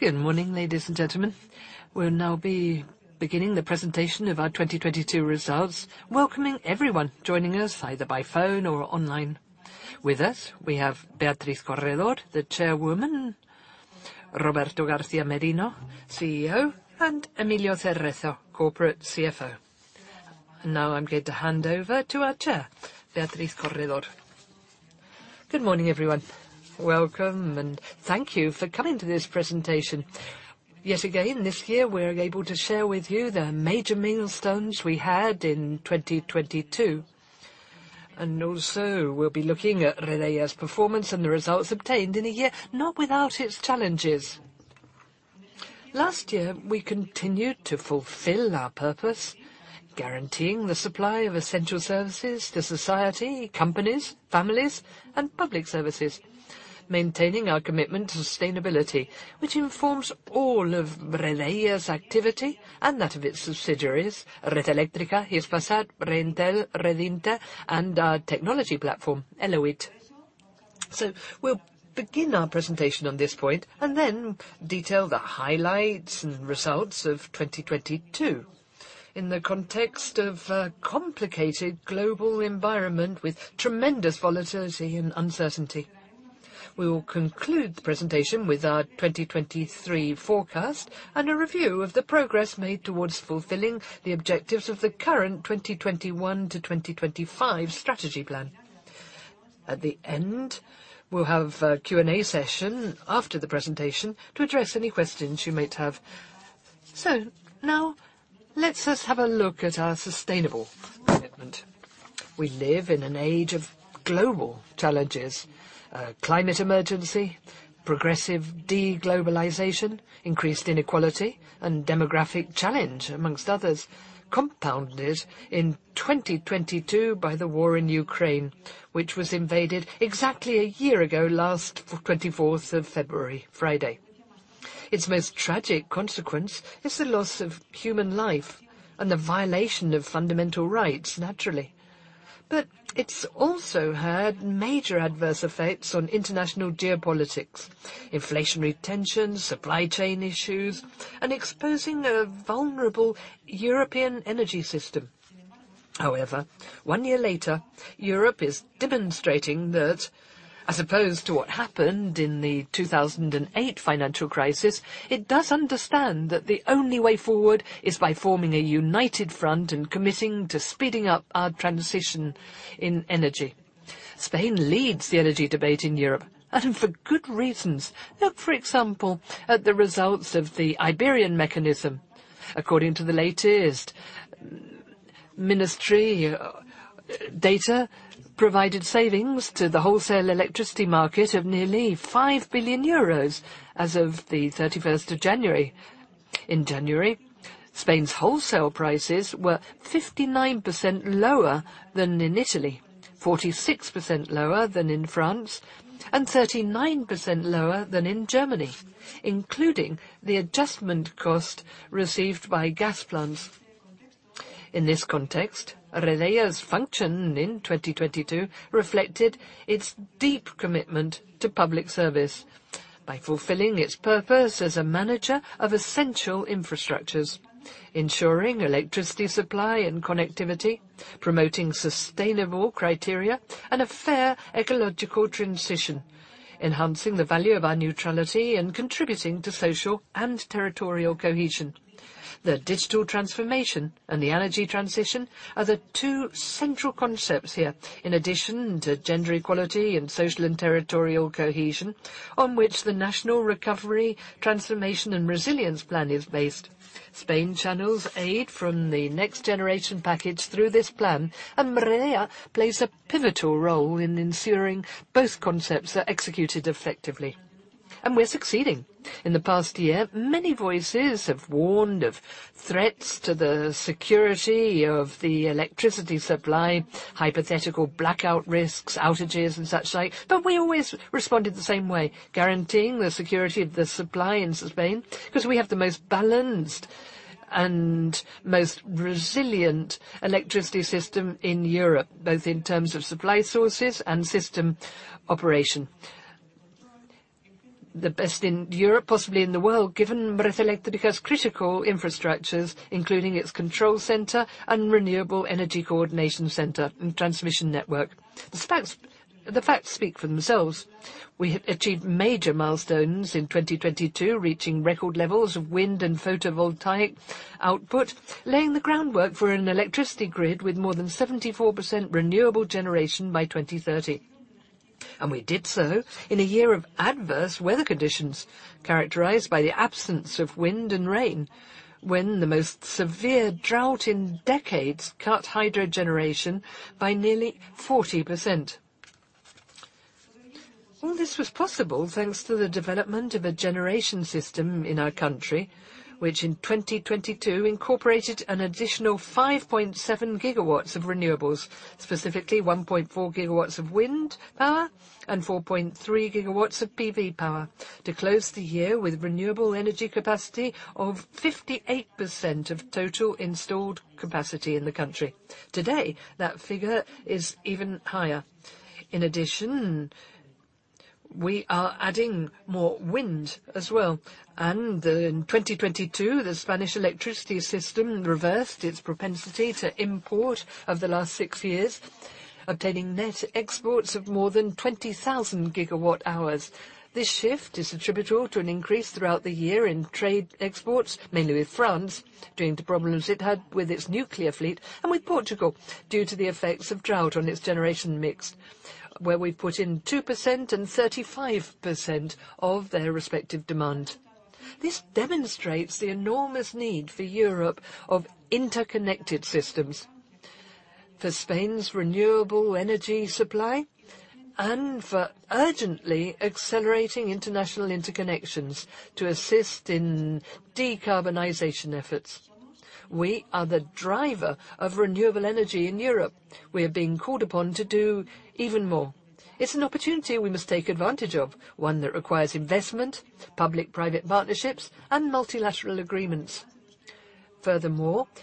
Good morning, ladies and gentlemen. We'll now be beginning the presentation of our 2022 results, welcoming everyone joining us either by phone or online. With us, we have Beatriz Corredor, the Chairwoman, Roberto García Merino, CEO, and Emilio Cerezo, Corporate CFO. I'm going to hand over to our chair, Beatriz Corredor. Good morning, everyone. Welcome, thank you for coming to this presentation. Yet again, this year, we're able to share with you the major milestones we had in 2022, also we'll be looking at Red Eléctrica's performance and the results obtained in a year, not without its challenges. Last year, we continued to fulfill our purpose, guaranteeing the supply of essential services to society, companies, families, and public services, maintaining our commitment to sustainability, which informs all of Red Eléctrica's activity and that of its subsidiaries, Red Eléctrica, Hispasat, Reintel, Redinter, and our technology platform, Elewit. We'll begin our presentation on this point and then detail the highlights and results of 2022 in the context of a complicated global environment with tremendous volatility and uncertainty. We will conclude the presentation with our 2023 forecast and a review of the progress made towards fulfilling the objectives of the current 2021-2025 strategy plan. At the end, we'll have a Q&A session after the presentation to address any questions you might have. Now let's just have a look at our sustainable commitment. We live in an age of global challenges, climate emergency, progressive de-globalization, increased inequality, and demographic challenge, amongst others, compounded in 2022 by the war in Ukraine, which was invaded exactly a year ago, last 24th of February, Friday. Its most tragic consequence is the loss of human life and the violation of fundamental rights, naturally. It's also had major adverse effects on international geopolitics, inflationary tensions, supply chain issues, and exposing a vulnerable European energy system. One year later, Europe is demonstrating that, as opposed to what happened in the 2008 financial crisis, it does understand that the only way forward is by forming a united front and committing to speeding up our transition in energy. Spain leads the energy debate in Europe for good reasons. Look, for example, at the results of the Iberian mechanism. According to the latest ministry data, provided savings to the wholesale electricity market of nearly 5 billion euros as of the 31st of January. In January, Spain's wholesale prices were 59% lower than in Italy, 46% lower than in France, and 39% lower than in Germany, including the adjustment cost received by gas plants. In this context, Red Eléctrica's function in 2022 reflected its deep commitment to public service by fulfilling its purpose as a manager of essential infrastructures, ensuring electricity supply and connectivity, promoting sustainable criteria and a fair ecological transition, enhancing the value of our neutrality, and contributing to social and territorial cohesion. The digital transformation and the energy transition are the two central concepts here. In addition to gender equality and social and territorial cohesion, on which the National Recovery, Transformation and Resilience Plan is based, Spain channels aid from the Next Generation package through this plan, and Red Eléctrica plays a pivotal role in ensuring both concepts are executed effectively, and we're succeeding. In the past year, many voices have warned of threats to the security of the electricity supply, hypothetical blackout risks, outages, and such like. We always responded the same way, guaranteeing the security of the supply in Spain, 'cause we have the most balanced and most resilient electricity system in Europe, both in terms of supply sources and system operation. The best in Europe, possibly in the world, given Red Eléctrica's critical infrastructures, including its control center and renewable energy coordination center and transmission network. The facts speak for themselves. We have achieved major milestones in 2022, reaching record levels of wind and photovoltaic output, laying the groundwork for an electricity grid with more than 74% renewable generation by 2030. We did so in a year of adverse weather conditions, characterized by the absence of wind and rain, when the most severe drought in decades cut hydro generation by nearly 40%. All this was possible, thanks to the development of a generation system in our country, which in 2022 incorporated an additional 5.7 gigawatts of renewables, specifically 1.4 gigawatts of wind power and 4.3 gigawatts of PV power to close the year with renewable energy capacity of 58% of total installed capacity in the country. Today, that figure is even higher. We are adding more wind as well. In 2022, the Spanish electricity system reversed its propensity to import of the last six years, obtaining net exports of more than 20,000 gigawatt hours. This shift is attributable to an increase throughout the year in trade exports, mainly with France, due to problems it had with its nuclear fleet, and with Portugal, due to the effects of drought on its generation mix, where we put in 2% and 35% of their respective demand. This demonstrates the enormous need for Europe of interconnected systems for Spain's renewable energy supply and for urgently accelerating international interconnections to assist in decarbonization efforts. We are the driver of renewable energy in Europe. We are being called upon to do even more. It's an opportunity we must take advantage of, one that requires investment, public-private partnerships, and multilateral agreements.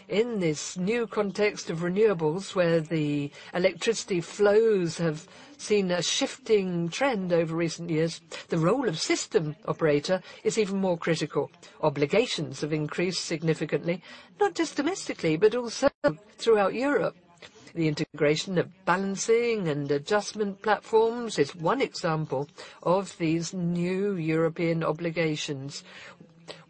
In this new context of renewables, where the electricity flows have seen a shifting trend over recent years, the role of system operator is even more critical. Obligations have increased significantly, not just domestically, but also throughout Europe. The integration of balancing and adjustment platforms is one example of these new European obligations,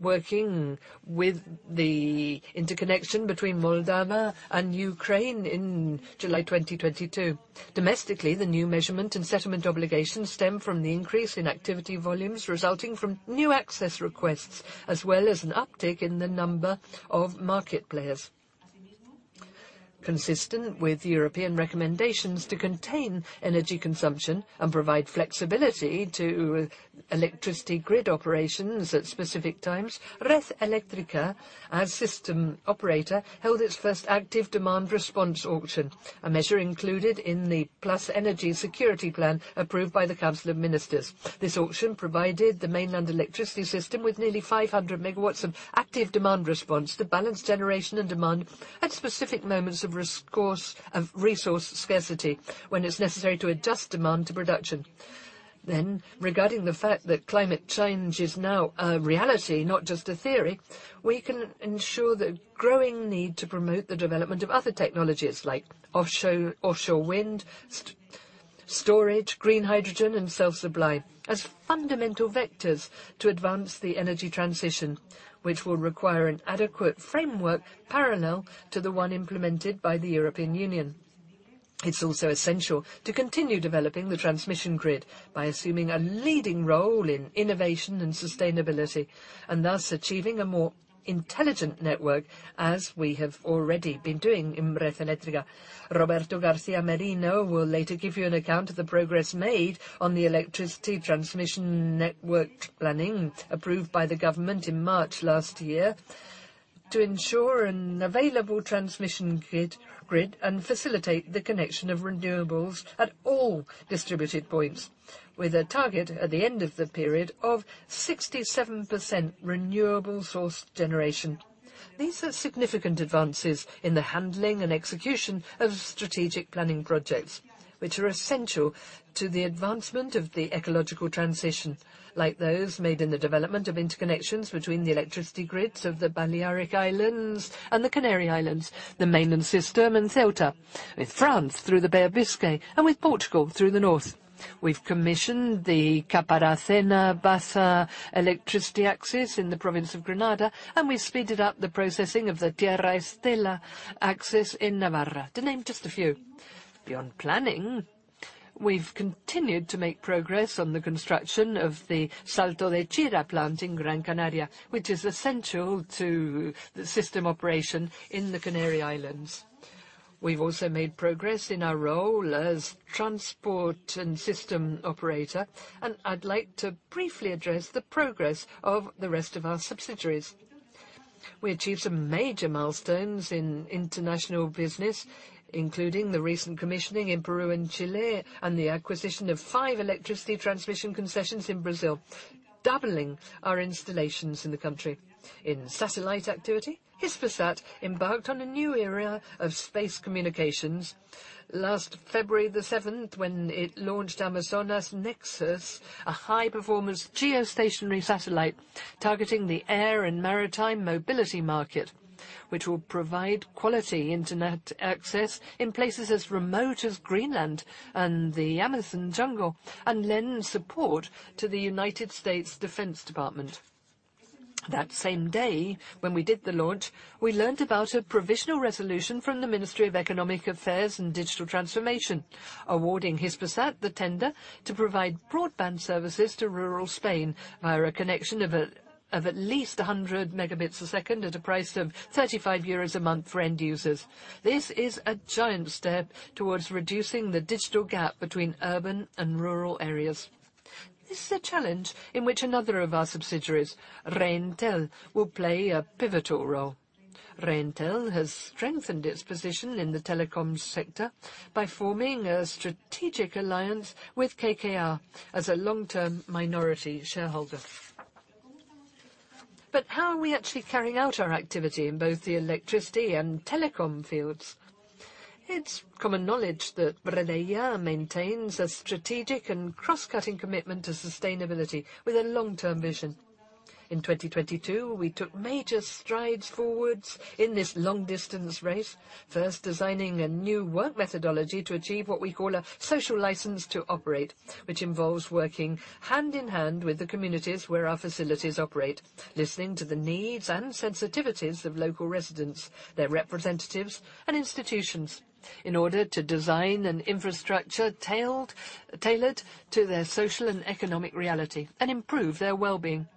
working with the interconnection between Moldova and Ukraine in July 2022. Domestically, the new measurement and settlement obligations stem from the increase in activity volumes resulting from new access requests, as well as an uptick in the number of market players. Consistent with European recommendations to contain energy consumption and provide flexibility to electricity grid operations at specific times, Red Eléctrica, as system operator, held its first active demand response auction, a measure included in the plus energy security plan approved by the Council of Ministers. This auction provided the mainland electricity system with nearly 500 megawatts of active demand response to balance generation and demand at specific moments of resource scarcity when it's necessary to adjust demand to production. Regarding the fact that climate change is now a reality, not just a theory, we can ensure the growing need to promote the development of other technologies like offshore wind, storage, green hydrogen, and self-supply as fundamental vectors to advance the energy transition, which will require an adequate framework parallel to the one implemented by the European Union. It's also essential to continue developing the transmission grid by assuming a leading role in innovation and sustainability, and thus achieving a more intelligent network, as we have already been doing in Red Eléctrica. Roberto García Merino will later give you an account of the progress made on the electricity transmission network planning approved by the government in March last year to ensure an available transmission grid and facilitate the connection of renewables at all distributed points with a target at the end of the period of 67% renewable source generation. These are significant advances in the handling and execution of strategic planning projects, which are essential to the advancement of the ecological transition, like those made in the development of interconnections between the electricity grids of the Balearic Islands and the Canary Islands, the mainland system and Ceuta, with France through the Bay of Biscay and with Portugal through the north. We've commissioned the Caparacena-Baza electricity axis in the province of Granada. We speeded up the processing of the Tierra Estella axis in Navarra, to name just a few. Beyond planning, we've continued to make progress on the construction of the Salto de Chira plant in Gran Canaria, which is essential to the system operation in the Canary Islands. We've also made progress in our role as transport and system operator, and I'd like to briefly address the progress of the rest of our subsidiaries. We achieved some major milestones in international business, including the recent commissioning in Peru and Chile and the acquisition of five electricity transmission concessions in Brazil, doubling our installations in the country. In satellite activity, Hispasat embarked on a new era of space communications last February 7th, when it launched Amazonas Nexus, a high-performance geostationary satellite targeting the air and maritime mobility market, which will provide quality internet access in places as remote as Greenland and the Amazon jungle and lend support to the United States Department of Defense. That same day, when we did the launch, we learned about a provisional resolution from the Ministry of Economic Affairs and Digital Transformation, awarding Hispasat the tender to provide broadband services to rural Spain via a connection of at least 100 Mbps at a price of 35 euros a month for end users. This is a giant step towards reducing the digital gap between urban and rural areas. This is a challenge in which another of our subsidiaries, Reintel, will play a pivotal role. Reintel has strengthened its position in the telecom sector by forming a strategic alliance with KKR as a long-term minority shareholder. How are we actually carrying out our activity in both the electricity and telecom fields? It's common knowledge that Redeia maintains a strategic and cross-cutting commitment to sustainability with a long-term vision. In 2022, we took major strides forward in this long-distance race, first designing a new work methodology to achieve what we call a social license to operate, which involves working hand in hand with the communities where our facilities operate, listening to the needs and sensitivities of local residents, their representatives and institutions, in order to design an infrastructure tailored to their social and economic reality and improve their well-being.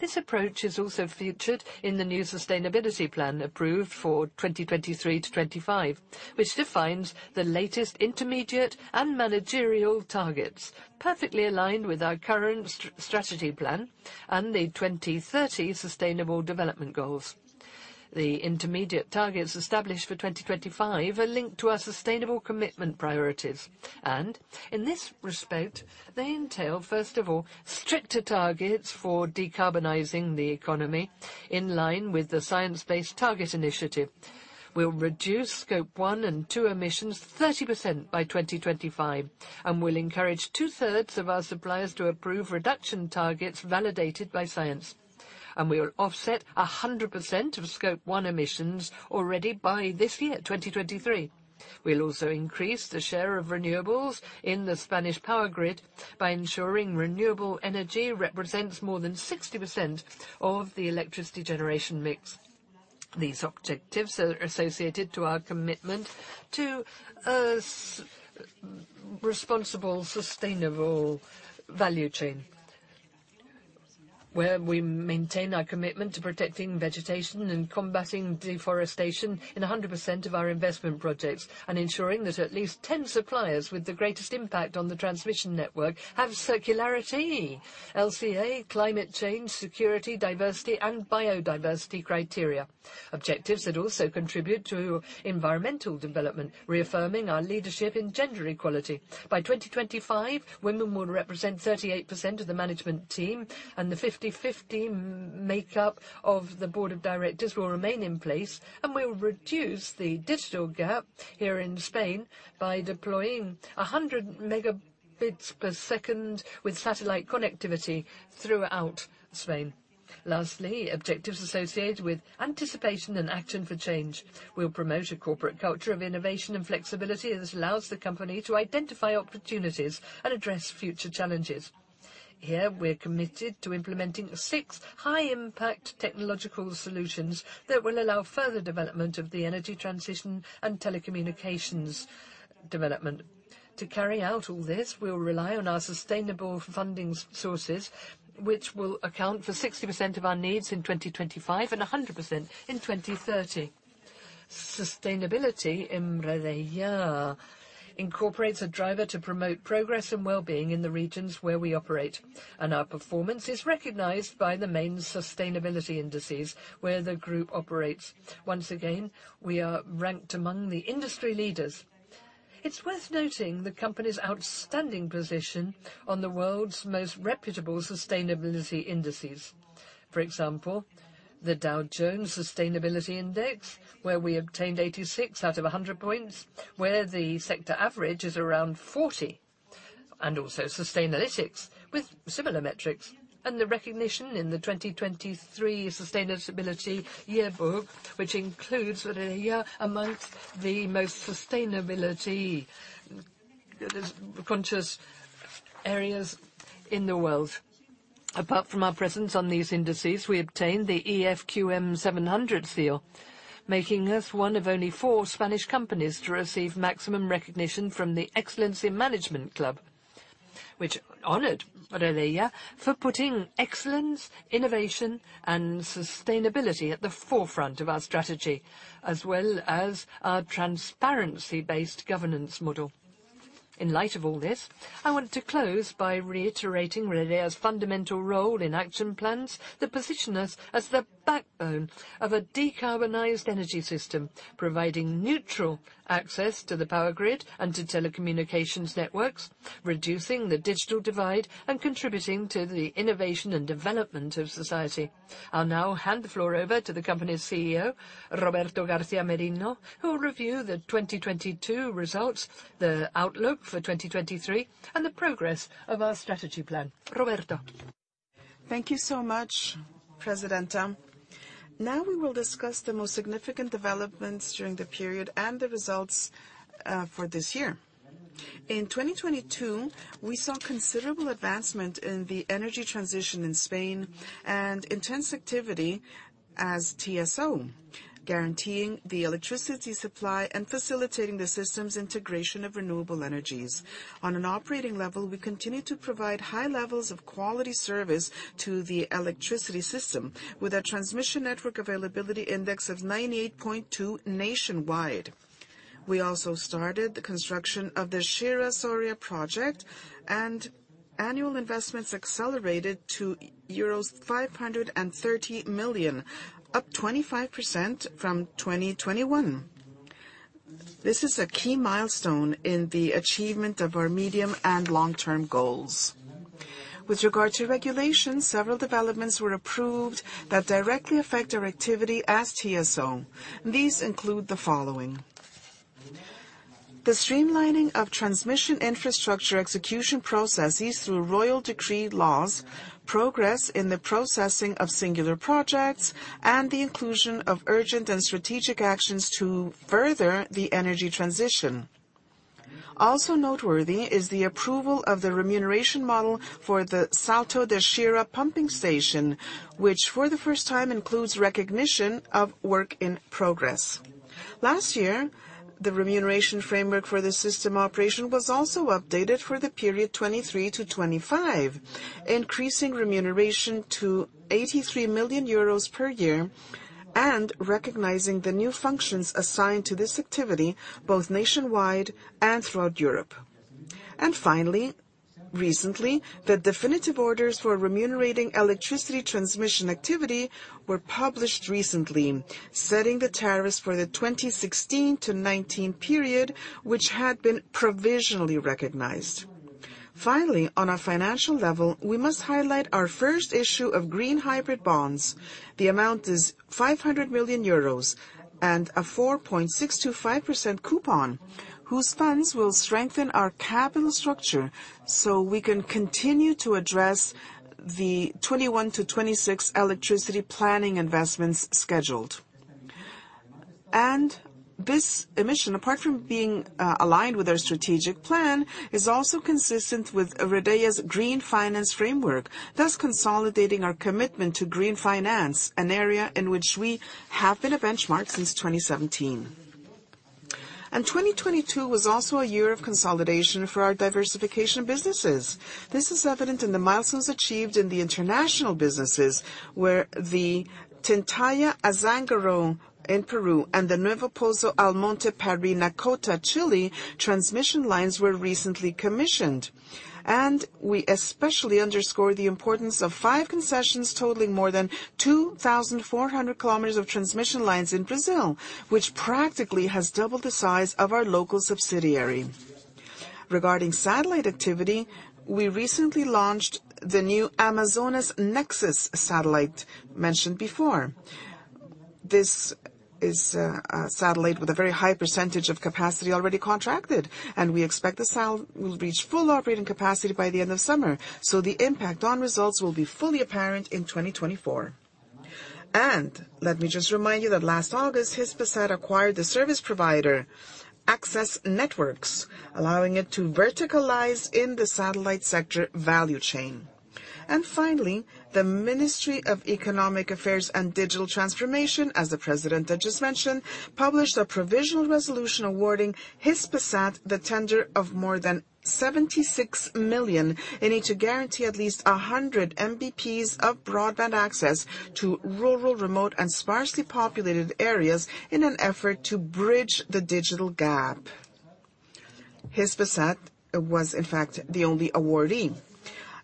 This approach is also featured in the new sustainability plan approved for 2023 to 2025, which defines the latest intermediate and managerial targets, perfectly aligned with our current strategy plan and the 2030 sustainable development goals. The intermediate targets established for 2025 are linked to our sustainable commitment priorities. In this respect, they entail, first of all, stricter targets for decarbonizing the economy in line with the Science Based Targets initiative. We'll reduce Scope one and Scope two emissions 30% by 2025, we'll encourage two-thirds of our suppliers to approve reduction targets validated by science. We will offset 100% of Scope one emissions already by this year, 2023. We'll also increase the share of renewables in the Spanish power grid by ensuring renewable energy represents more than 60% of the electricity generation mix. These objectives are associated to our commitment to a responsible, sustainable value chain, where we maintain our commitment to protecting vegetation and combating deforestation in 100% of our investment projects and ensuring that at least 10 suppliers with the greatest impact on the transmission network have circularity, LCA, climate change, security, diversity, and biodiversity criteria. Objectives that also contribute to environmental development, reaffirming our leadership in gender equality. By 2025, women will represent 38% of the management team, the 50/50 makeup of the board of directors will remain in place, and we will reduce the digital gap here in Spain by deploying 100 Mbps with satellite connectivity throughout Spain. Lastly, objectives associated with anticipation and action for change. We'll promote a corporate culture of innovation and flexibility that allows the company to identify opportunities and address future challenges. Here, we're committed to implementing six high-impact technological solutions that will allow further development of the energy transition and telecommunications development. To carry out all this, we'll rely on our sustainable funding sources, which will account for 60% of our needs in 2025 and 100% in 2030. Sustainability in Redeia incorporates a driver to promote progress and well-being in the regions where we operate, and our performance is recognized by the main sustainability indices where the group operates. Once again, we are ranked among the industry leaders. It's worth noting the company's outstanding position on the world's most reputable sustainability indices. For example, the Dow Jones Sustainability Index, where we obtained 86 out of 100 points, where the sector average is around 40, and also Sustainalytics, with similar metrics, and the recognition in the 2023 The Sustainability Yearbook, which includes Redeia amongst the most sustainability conscious areas in the world. Apart from our presence on these indices, we obtained the EFQM 700 Seal, making us one of only four Spanish companies to receive maximum recognition from the Excellence in Management Club, which honored Redeia for putting excellence, innovation, and sustainability at the forefront of our strategy, as well as our transparency-based governance model. In light of all this, I want to close by reiterating Redeia's fundamental role in action plans that position us as the backbone of a decarbonized energy system, providing neutral access to the power grid and to telecommunications networks, reducing the digital divide, and contributing to the innovation and development of society. I'll now hand the floor over to the company's CEO, Roberto García Merino, who will review the 2022 results, the outlook for 2023, and the progress of our strategy plan. Roberto? Thank you so much, Presidenta. We will discuss the most significant developments during the period and the results for this year. In 2022, we saw considerable advancement in the energy transition in Spain and intense activity as TSO, guaranteeing the electricity supply and facilitating the system's integration of renewable energies. On an operating level, we continued to provide high levels of quality service to the electricity system with a transmission network availability index of 98.2 nationwide. We also started the construction of the Chira-Soria project, and annual investments accelerated to euros 530 million, up 25% from 2021. This is a key milestone in the achievement of our medium and long-term goals. With regard to regulations, several developments were approved that directly affect our activity as TSO. These include the following: the streamlining of transmission infrastructure execution processes through Royal Decree-Laws, progress in the processing of singular projects, and the inclusion of urgent and strategic actions to further the energy transition. Also noteworthy is the approval of the remuneration model for the Salto de Chira pumping station, which for the first time includes recognition of work in progress. Last year, the remuneration framework for the system operation was also updated for the period 2023 to 2025, increasing remuneration to 83 million euros per year and recognizing the new functions assigned to this activity, both nationwide and throughout Europe. Recently, the definitive orders for remunerating electricity transmission activity were published recently, setting the tariffs for the 2016 to 2019 period, which had been provisionally recognized. On a financial level, we must highlight our first issue of green hybrid bonds. The amount is 500 million euros and a 4.625% coupon, whose funds will strengthen our capital structure, so we can continue to address the 2021-2026 electricity planning investments scheduled. This emission, apart from being aligned with our strategic plan, is also consistent with Redeia's green finance framework, thus consolidating our commitment to green finance, an area in which we have been a benchmark since 2017. 2022 was also a year of consolidation for our diversification businesses. This is evident in the milestones achieved in the international businesses, where the Tintaya-Azángaro in Peru and the Nuevo Pozo Almonte-Parinacota Chile transmission lines were recently commissioned. We especially underscore the importance of five concessions totaling more than 2,400 kilometers of transmission lines in Brazil, which practically has doubled the size of our local subsidiary. Regarding satellite activity, we recently launched the new Amazonas Nexus satellite mentioned before. This is a satellite with a very high percentage of capacity already contracted, and we expect the sat will reach full operating capacity by the end of summer. The impact on results will be fully apparent in 2024. Let me just remind you that last August, Hispasat acquired the service provider Axess Networks, allowing it to verticalize in the satellite sector value chain. Finally, the Ministry of Economic Affairs and Digital Transformation, as the president had just mentioned, published a provisional resolution awarding Hispasat the tender of more than 76 million, aiming to guarantee at least 100 Mbps of broadband access to rural, remote, and sparsely populated areas in an effort to bridge the digital gap. Hispasat was, in fact, the only awardee.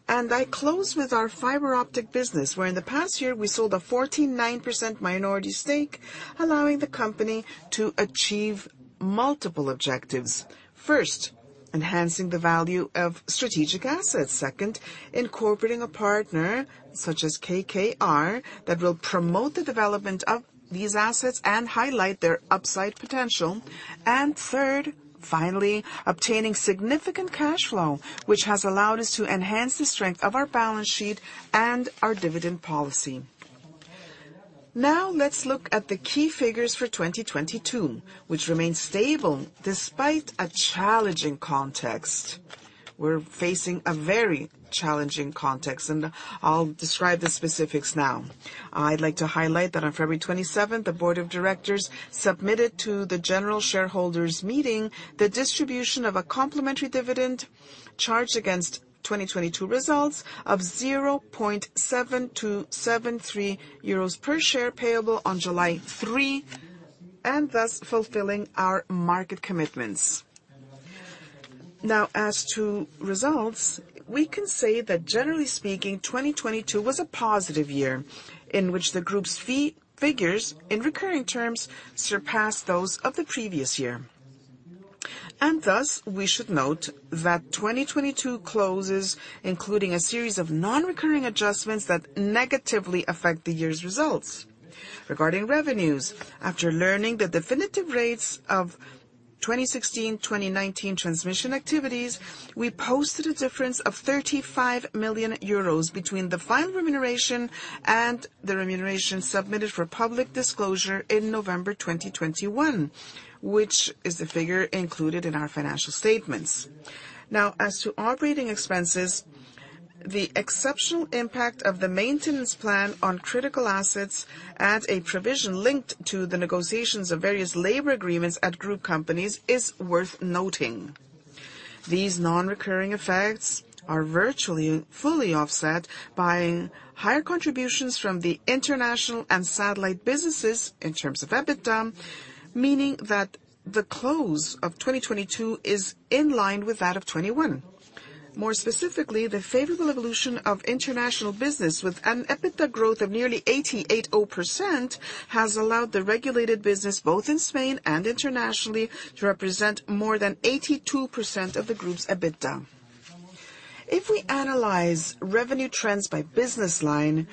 I close with our fiber optic business, where in the past year we sold a 49% minority stake, allowing the company to achieve multiple objectives. First, enhancing the value of strategic assets. Second, incorporating a partner such as KKR that will promote the development of these assets and highlight their upside potential. Third, finally, obtaining significant cash flow, which has allowed us to enhance the strength of our balance sheet and our dividend policy. Let's look at the key figures for 2022, which remain stable despite a challenging context. We're facing a very challenging context, and I'll describe the specifics now. I'd like to highlight that on February 27th, the board of directors submitted to the general shareholders meeting the distribution of a complimentary dividend charged against 2022 results of 0.7273 euros per share payable on July 3, and thus fulfilling our market commitments. As to results, we can say that generally speaking, 2022 was a positive year in which the group's fee figures in recurring terms surpassed those of the previous year. We should note that 2022 closes including a series of non-recurring adjustments that negatively affect the year's results. Regarding revenues, after learning the definitive rates of 2016, 2019 transmission activities, we posted a difference of 35 million euros between the final remuneration and the remuneration submitted for public disclosure in November 2021, which is the figure included in our financial statements. As to operating expenses, the exceptional impact of the maintenance plan on critical assets adds a provision linked to the negotiations of various labor agreements at group companies is worth noting. These non-recurring effects are virtually fully offset by higher contributions from the international and satellite businesses in terms of EBITDA, meaning that the close of 2022 is in line with that of 2021. More specifically, the favorable evolution of international business with an EBITDA growth of nearly 88.0% has allowed the regulated business, both in Spain and internationally, to represent more than 82% of the group's EBITDA. If we analyze revenue trends by business line,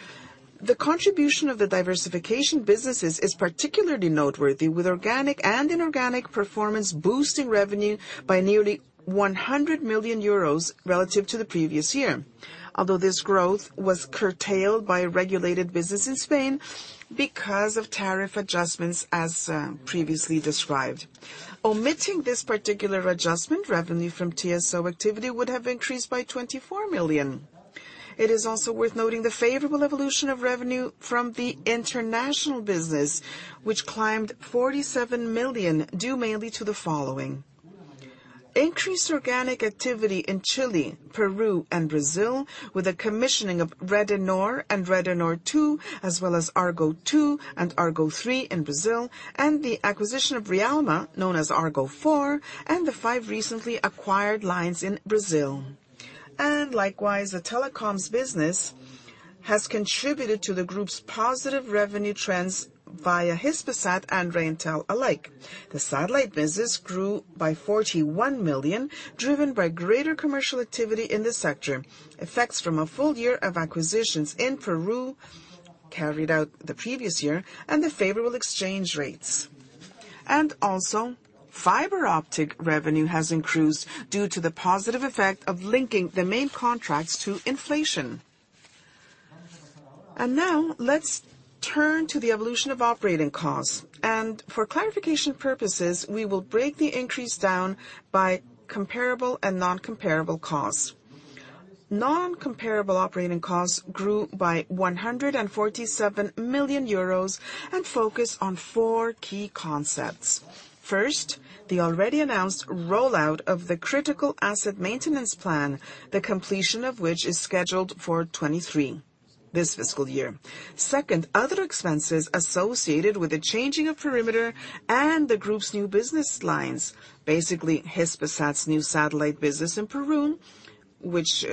the contribution of the diversification businesses is particularly noteworthy, with organic and inorganic performance boosting revenue by nearly 100 million euros relative to the previous year. This growth was curtailed by regulated business in Spain because of tariff adjustments as previously described. Omitting this particular adjustment, revenue from TSO activity would have increased by 24 million. It is also worth noting the favorable evolution of revenue from the international business, which climbed 47 million, due mainly to the following: increased organic activity in Chile, Peru, and Brazil, with a commissioning of Redes Nor and Redes Nor 2, as well as Argo II and Argo III in Brazil, and the acquisition of Rialma, known as Argo 4, and the five recently acquired lines in Brazil. Likewise, the telecoms business has contributed to the group's positive revenue trends via Hispasat and Reintel alike. The satellite business grew by 41 million, driven by greater commercial activity in the sector. Effects from a full year of acquisitions in Peru carried out the previous year and the favorable exchange rates. Also fiber optic revenue has increased due to the positive effect of linking the main contracts to inflation. Now let's turn to the evolution of operating costs. For clarification purposes, we will break the increase down by comparable and non-comparable costs. Non-comparable operating costs grew by 147 million euros and focus on four key concepts. First, the already announced rollout of the critical asset maintenance plan, the completion of which is scheduled for 2023, this fiscal year. Second, other expenses associated with the changing of perimeter and the group's new business lines. Basically, Hispasat's new satellite business in Peru, which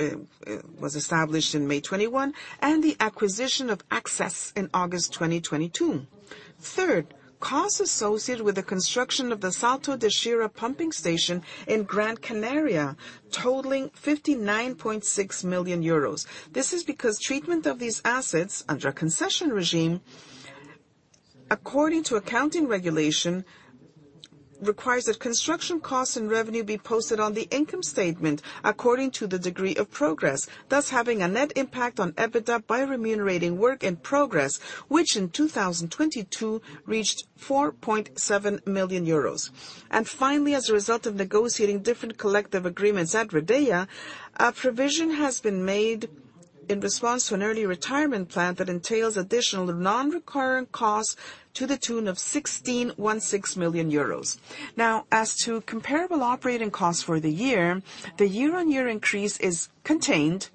was established in May 2021, and the acquisition of Axess in August 2022. Third, costs associated with the construction of the Salto de Chira pumping station in Gran Canaria, totaling 59.6 million euros. This is because treatment of these assets under a concession regime, according to accounting regulation, requires that construction costs and revenue be posted on the income statement according to the degree of progress, thus having a net impact on EBITDA by remunerating work in progress, which in 2022 reached 4.7 million euros. Finally, as a result of negotiating different collective agreements at Redeia, a provision has been made in response to an early retirement plan that entails additional non-recurrent costs to the tune of 16.6 million euros. As to comparable operating costs for the year, the year-on-year increase is contained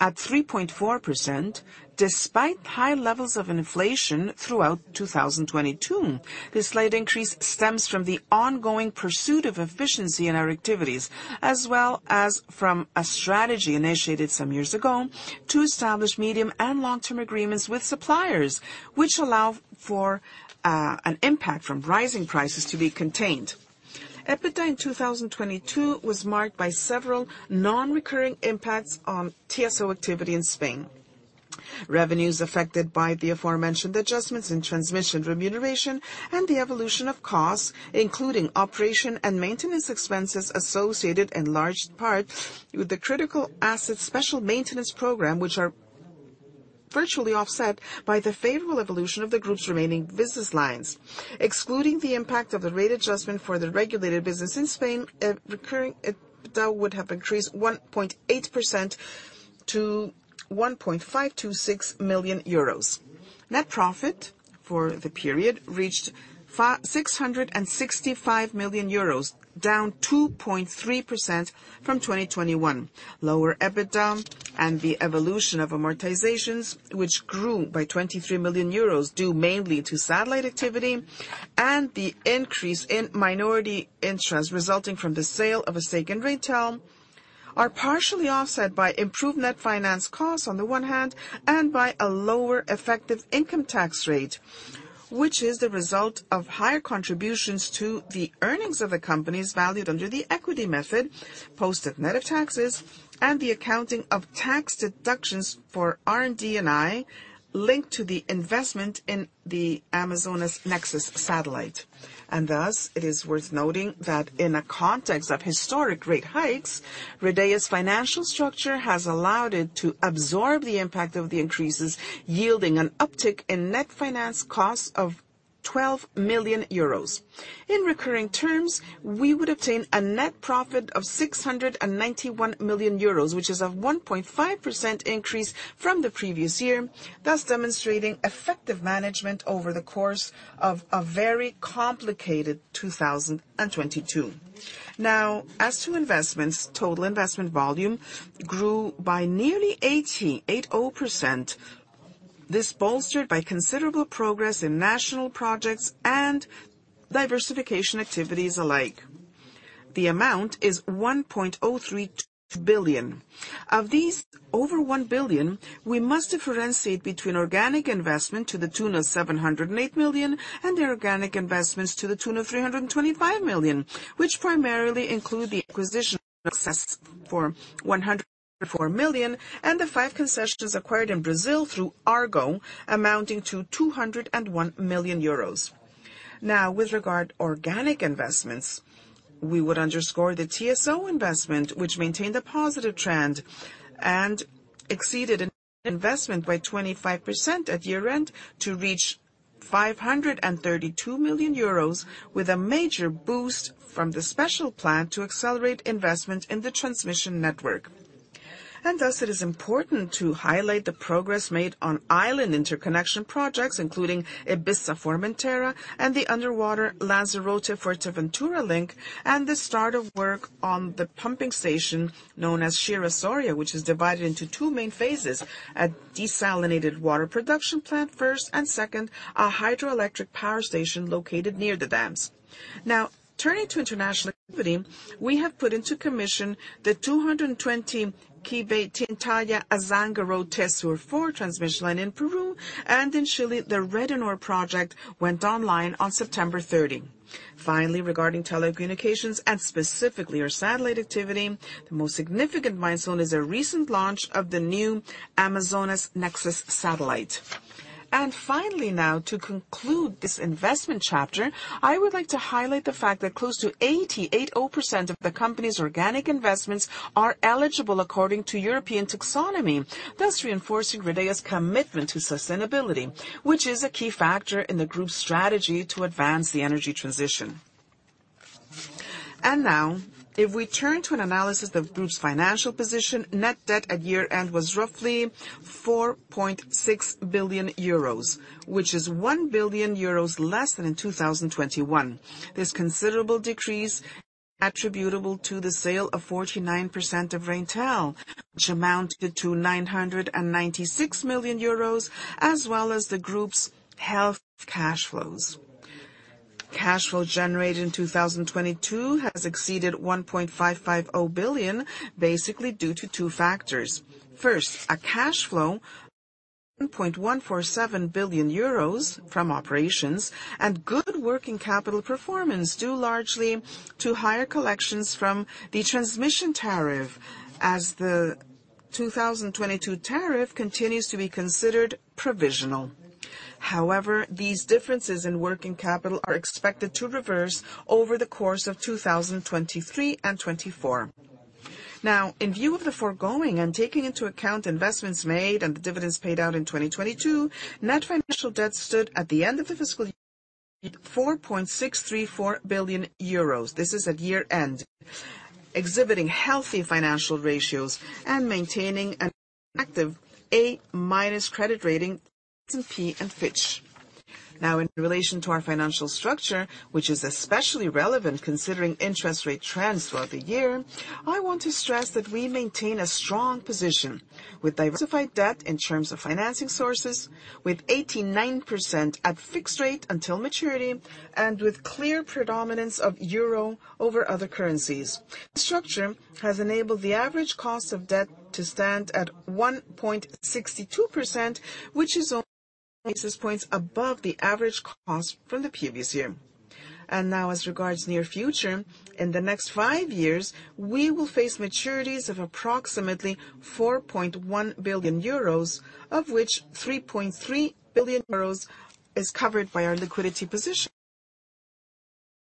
at 3.4% despite high levels of inflation throughout 2022. This slight increase stems from the ongoing pursuit of efficiency in our activities, as well as from a strategy initiated some years ago to establish medium and long-term agreements with suppliers, which allow for an impact from rising prices to be contained. EBITDA in 2022 was marked by several non-recurring impacts on TSO activity in Spain. Revenues affected by the aforementioned adjustments in transmission remuneration and the evolution of costs, including operation and maintenance expenses associated in large part with the critical asset special maintenance program, which are virtually offset by the favorable evolution of the group's remaining business lines. Excluding the impact of the rate adjustment for the regulated business in Spain, recurring EBITDA would have increased 1.8% to 1,526 million euros. Net profit for the period reached 665 million euros, down 2.3% from 2021. Lower EBITDA and the evolution of amortizations, which grew by 23 million euros due mainly to satellite activity and the increase in minority interest resulting from the sale of a stake in Reintel, are partially offset by improved net finance costs on the one hand and by a lower effective income tax rate, which is the result of higher contributions to the earnings of the companies valued under the equity method, post of net of taxes and the accounting of tax deductions for R&D and I linked to the investment in the Amazonas Nexus satellite. Thus, it is worth noting that in a context of historic rate hikes, Redeia's financial structure has allowed it to absorb the impact of the increases, yielding an uptick in net finance costs of 12 million euros. In recurring terms, we would obtain a net profit of 691 million euros, which is a 1.5% increase from the previous year, thus demonstrating effective management over the course of a very complicated 2022. As to investments, total investment volume grew by nearly 88%. This bolstered by considerable progress in national projects and diversification activities alike. The amount is 1.03 billion. Of these over 1 billion, we must differentiate between organic investment to the tune of 708 million, and the organic investments to the tune of 325 million, which primarily include the acquisition of Axess Networks for 104 million, and the five concessions acquired in Brazil through Argo amounting to 201 million euros. With regard organic investments, we would underscore the TSO investment, which maintained a positive trend and exceeded investment by 25% at year-end to reach 532 million euros, with a major boost from the special plan to accelerate investment in the transmission network. Thus it is important to highlight the progress made on island interconnection projects, including Ibiza, Formentera, and the underwater Lanzarote-Fuerteventura link, and the start of work on the pumping station known as Chira-Soria, which is divided into two main phases, a desalinated water production plant first, and second, a hydroelectric power station located near the dams. Now turning to international activity, we have put into commission the 220 kV Tintaya-Azángaro, Tesur 4 transmission line in Peru, and in Chile, the Redenor project went online on September 30. Finally, regarding telecommunications and specifically our satellite activity, the most significant milestone is a recent launch of the new Amazonas Nexus satellite. Finally, now to conclude this investment chapter, I would like to highlight the fact that close to 80% of the company's organic investments are eligible according to European Taxonomy, thus reinforcing Redeia's commitment to sustainability, which is a key factor in the group's strategy to advance the energy transition. Now, if we turn to an analysis of group's financial position, net debt at year-end was roughly 4.6 billion euros, which is 1 billion euros less than in 2021. This considerable decrease attributable to the sale of 49% of Reintel, which amounted to 996 million euros, as well as the group's health cash flows. Cash flow generated in 2022 has exceeded 1.55 billion, basically due to two factors. First, a cash flow 1.47 billion euros from operations and good working capital performance, due largely to higher collections from the transmission tariff as the 2022 tariff continues to be considered provisional. These differences in working capital are expected to reverse over the course of 2023 and 2024. In view of the foregoing and taking into account investments made and the dividends paid out in 2022, net financial debt stood at the end of the fiscal year 4.634 billion euros. This is at year-end, exhibiting healthy financial ratios and maintaining an active A minus credit rating, S&P and Fitch. In relation to our financial structure, which is especially relevant considering interest rate trends throughout the year, I want to stress that we maintain a strong position with diversified debt in terms of financing sources with 89% at fixed rate until maturity, with clear predominance of euro over other currencies. Structure has enabled the average cost of debt to stand at 1.62%, which is only basis points above the average cost from the previous year. As regards near future, in the next five years, we will face maturities of approximately 4.1 billion euros, of which 3.3 billion euros is covered by our liquidity position.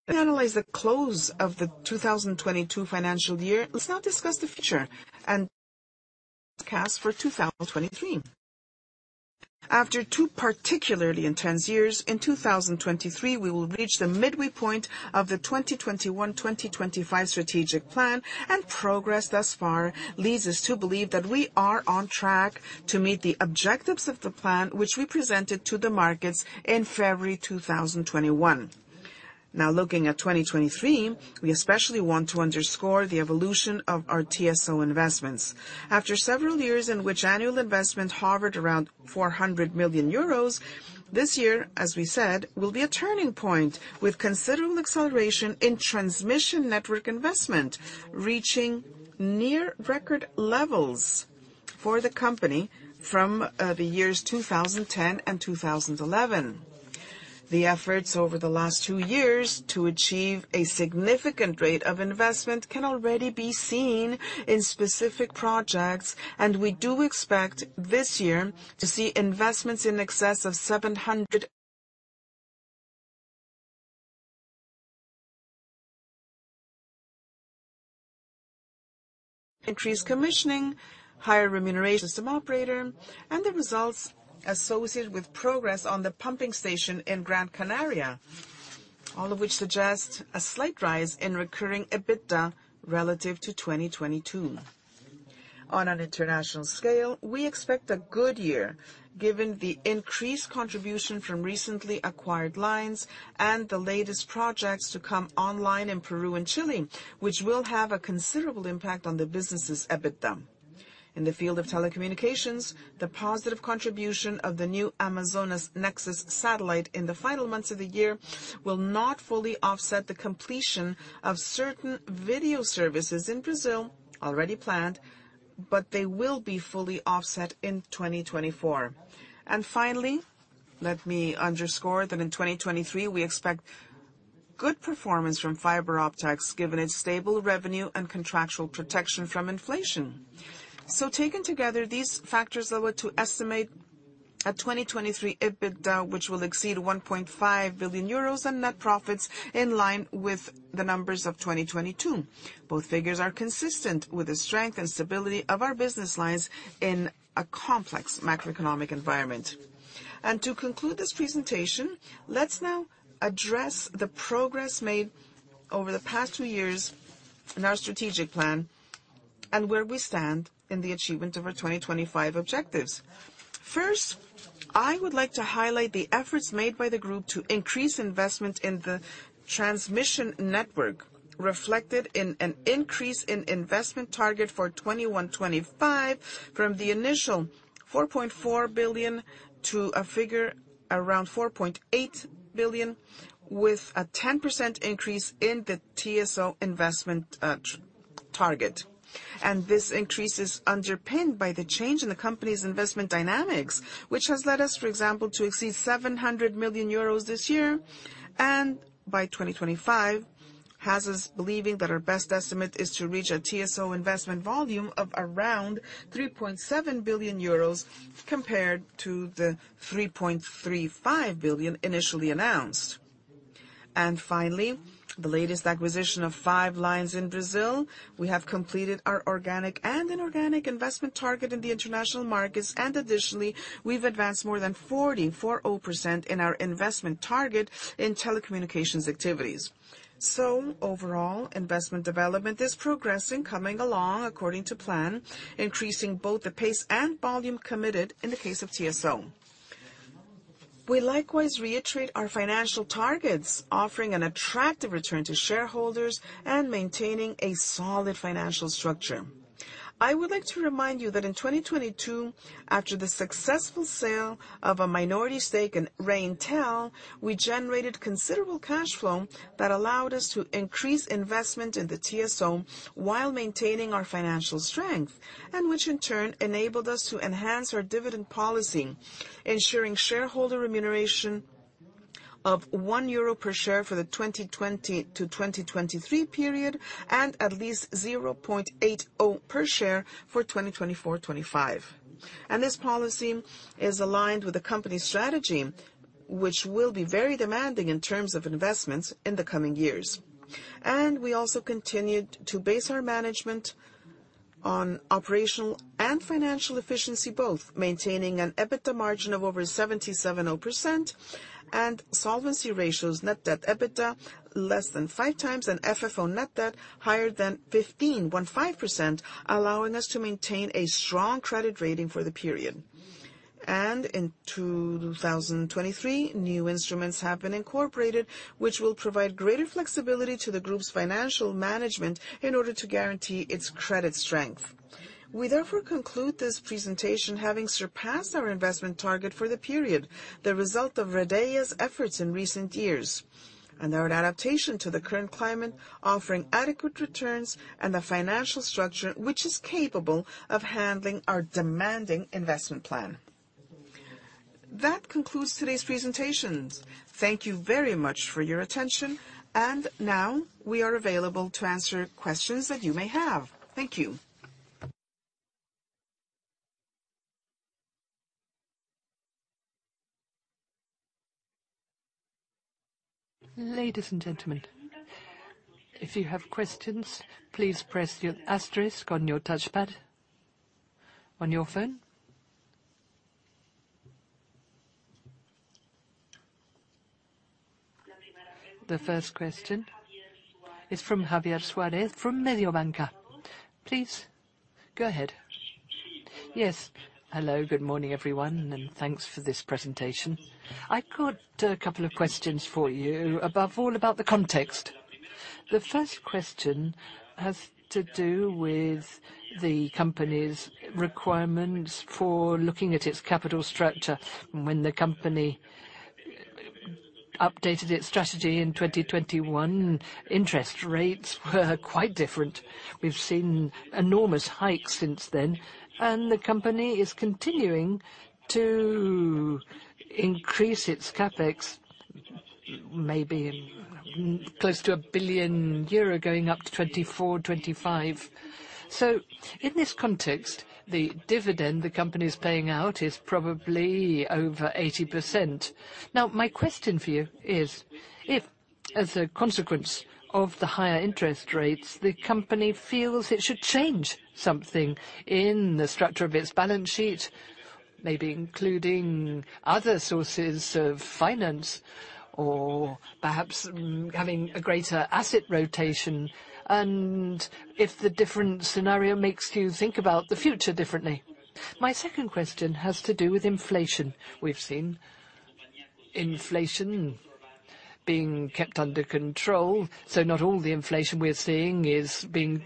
Analyze the close of the 2022 financial year. Let's now discuss the future and cast for 2023. After two particularly intense years in 2023, we will reach the midway point of the 2021, 2025 strategic plan. Progress thus far leads us to believe that we are on track to meet the objectives of the plan, which we presented to the markets in February 2021. Now looking at 2023, we especially want to underscore the evolution of our TSO investments. After several years in which annual investment hovered around 400 million euros, this year, as we said, will be a turning point with considerable acceleration in transmission network investment reaching near record levels for the company from the years 2010 and 2011. The efforts over the last two years to achieve a significant rate of investment can already be seen in specific projects, and we do expect this year to see investments in excess of 700. Increased commissioning, higher remuneration system operator, and the results associated with progress on the pumping station in Gran Canaria, all of which suggest a slight rise in recurring EBITDA relative to 2022. On an international scale, we expect a good year given the increased contribution from recently acquired lines and the latest projects to come online in Peru and Chile, which will have a considerable impact on the business's EBITDA. In the field of telecommunications, the positive contribution of the new Amazonas Nexus satellite in the final months of the year will not fully offset the completion of certain video services in Brazil already planned, but they will be fully offset in 2024. Finally, let me underscore that in 2023, we expect good performance from fiber optics, given its stable revenue and contractual protection from inflation. Taken together, these factors allow us to estimate a 2023 EBITDA, which will exceed 1.5 billion euros and net profits in line with the numbers of 2022. Both figures are consistent with the strength and stability of our business lines in a complex macroeconomic environment. To conclude this presentation, let's now address the progress made over the past two years in our strategic plan and where we stand in the achievement of our 2025 objectives. First, I would like to highlight the efforts made by the group to increase investment in the transmission network, reflected in an increase in investment target for 2021-2025, from the initial 4.4 billion to a figure around 4.8 billion, with a 10% increase in the TSO investment target. This increase is underpinned by the change in the company's investment dynamics, which has led us, for example, to exceed 700 million euros this year. By 2025 has us believing that our best estimate is to reach a TSO investment volume of around 3.7 billion euros compared to the 3.35 billion initially announced. Finally, the latest acquisition of five lines in Brazil. We have completed our organic and inorganic investment target in the international markets. Additionally, we've advanced more than 40% in our investment target in telecommunications activities. Overall investment development is progressing, coming along according to plan, increasing both the pace and volume committed in the case of TSO. We likewise reiterate our financial targets, offering an attractive return to shareholders and maintaining a solid financial structure. I would like to remind you that in 2022, after the successful sale of a minority stake in Reintel, we generated considerable cash flow that allowed us to increase investment in the TSO while maintaining our financial strength. Which in turn enabled us to enhance our dividend policy, ensuring shareholder remuneration of 1 euro per share for the 2020-2023 period, and at least 0.80 per share for 2024-2025. This policy is aligned with the company's strategy, which will be very demanding in terms of investments in the coming years. We also continued to base our management on operational and financial efficiency, both maintaining an EBITDA margin of over 77.0% and solvency ratios, net debt EBITDA less than five times, and FFO net debt higher than 15.15%, allowing us to maintain a strong credit rating for the period. In 2023, new instruments have been incorporated, which will provide greater flexibility to the group's financial management in order to guarantee its credit strength. We therefore conclude this presentation having surpassed our investment target for the period, the result of Red Eléctrica's efforts in recent years, and our adaptation to the current climate, offering adequate returns, and a financial structure which is capable of handling our demanding investment plan. That concludes today's presentations. Thank you very much for your attention. Now we are available to answer questions that you may have. Thank you. Ladies and gentlemen, if you have questions, please press your asterisk on your touchpad on your phone. The first question is from Javier Suarez from Mediobanca. Please go ahead. Hello, good morning, everyone, and thanks for this presentation. I got a couple of questions for you above all about the context. The first question has to do with the company's requirements for looking at its capital structure. When the company updated its strategy in 2021, interest rates were quite different. We've seen enormous hikes since then, and the company is continuing to increase its CapEx, maybe in close to 1 billion euro, going up to 2024, 2025. In this context, the dividend the company is paying out is probably over 80%. My question for you is, if as a consequence of the higher interest rates, the company feels it should change something in the structure of its balance sheet, maybe including other sources of finance or perhaps having a greater asset rotation. If the different scenario makes you think about the future differently. My second question has to do with inflation. We've seen inflation being kept under control, so not all the inflation we're seeing is being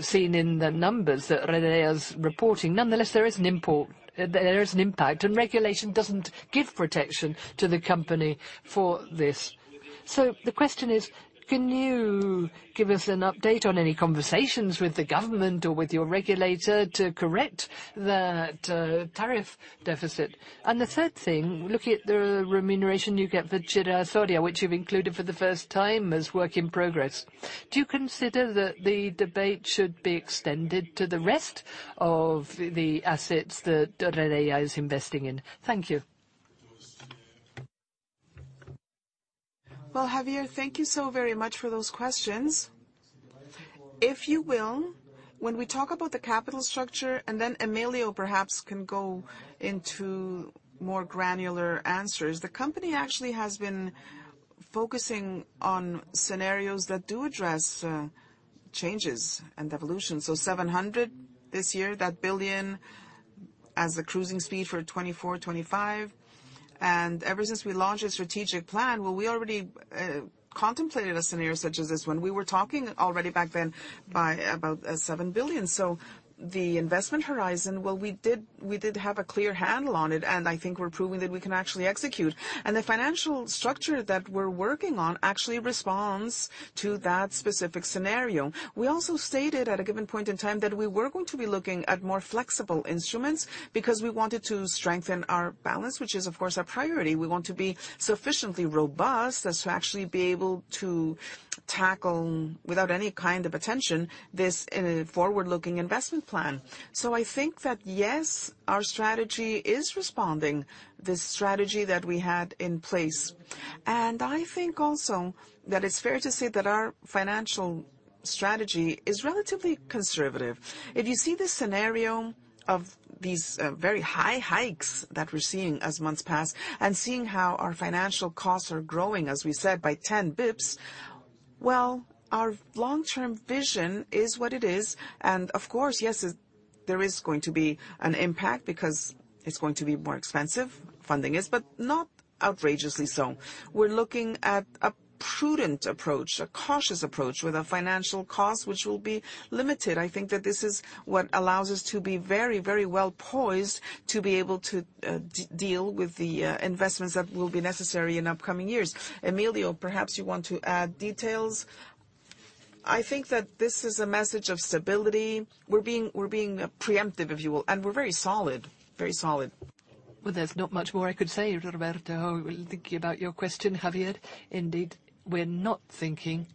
seen in the numbers that Red Eléctrica is reporting. Nonetheless, there is an impact, and regulation doesn't give protection to the company for this. The question is, can you give us an update on any conversations with the government or with your regulator to correct that tariff deficit? The third thing, looking at the remuneration you get for Chira-Soria, which you've included for the first time as work in progress, do you consider that the debate should be extended to the rest of the assets that Red Eléctrica is investing in? Thank you. Javier, thank you so very much for those questions. If you will, when we talk about the capital structure, Emilio perhaps can go into more granular answers, the company actually has been focusing on scenarios that do address changes and evolutions. 700 this year, that 1 billion as the cruising speed for 2024, 2025. Ever since we launched a strategic plan, we already contemplated a scenario such as this one. We were talking already back then by about 7 billion. The investment horizon, we did have a clear handle on it, and I think we're proving that we can actually execute. The financial structure that we're working on actually responds to that specific scenario. We also stated at a given point in time that we were going to be looking at more flexible instruments because we wanted to strengthen our balance, which is, of course, our priority. We want to be sufficiently robust as to actually be able to tackle, without any kind of attention, this in a forward-looking investment plan. I think that yes, our strategy is responding, the strategy that we had in place. I think also that it's fair to say that our financial strategy is relatively conservative. If you see the scenario of these very high hikes that we're seeing as months pass and seeing how our financial costs are growing, as we said, by 10 basis points, well, our long-term vision is what it is. Of course, yes, it... There is going to be an impact because it's going to be more expensive, funding is, but not outrageously so. We're looking at a prudent approach, a cautious approach with a financial cost which will be limited. I think that this is what allows us to be very, very well poised to be able to deal with the investments that will be necessary in upcoming years. Emilio, perhaps you want to add details. I think that this is a message of stability. We're being preemptive, if you will, and we're very solid. Very solid. Well, there's not much more I could say, Roberto. Thinking about your question, Javier, indeed, we're not thinking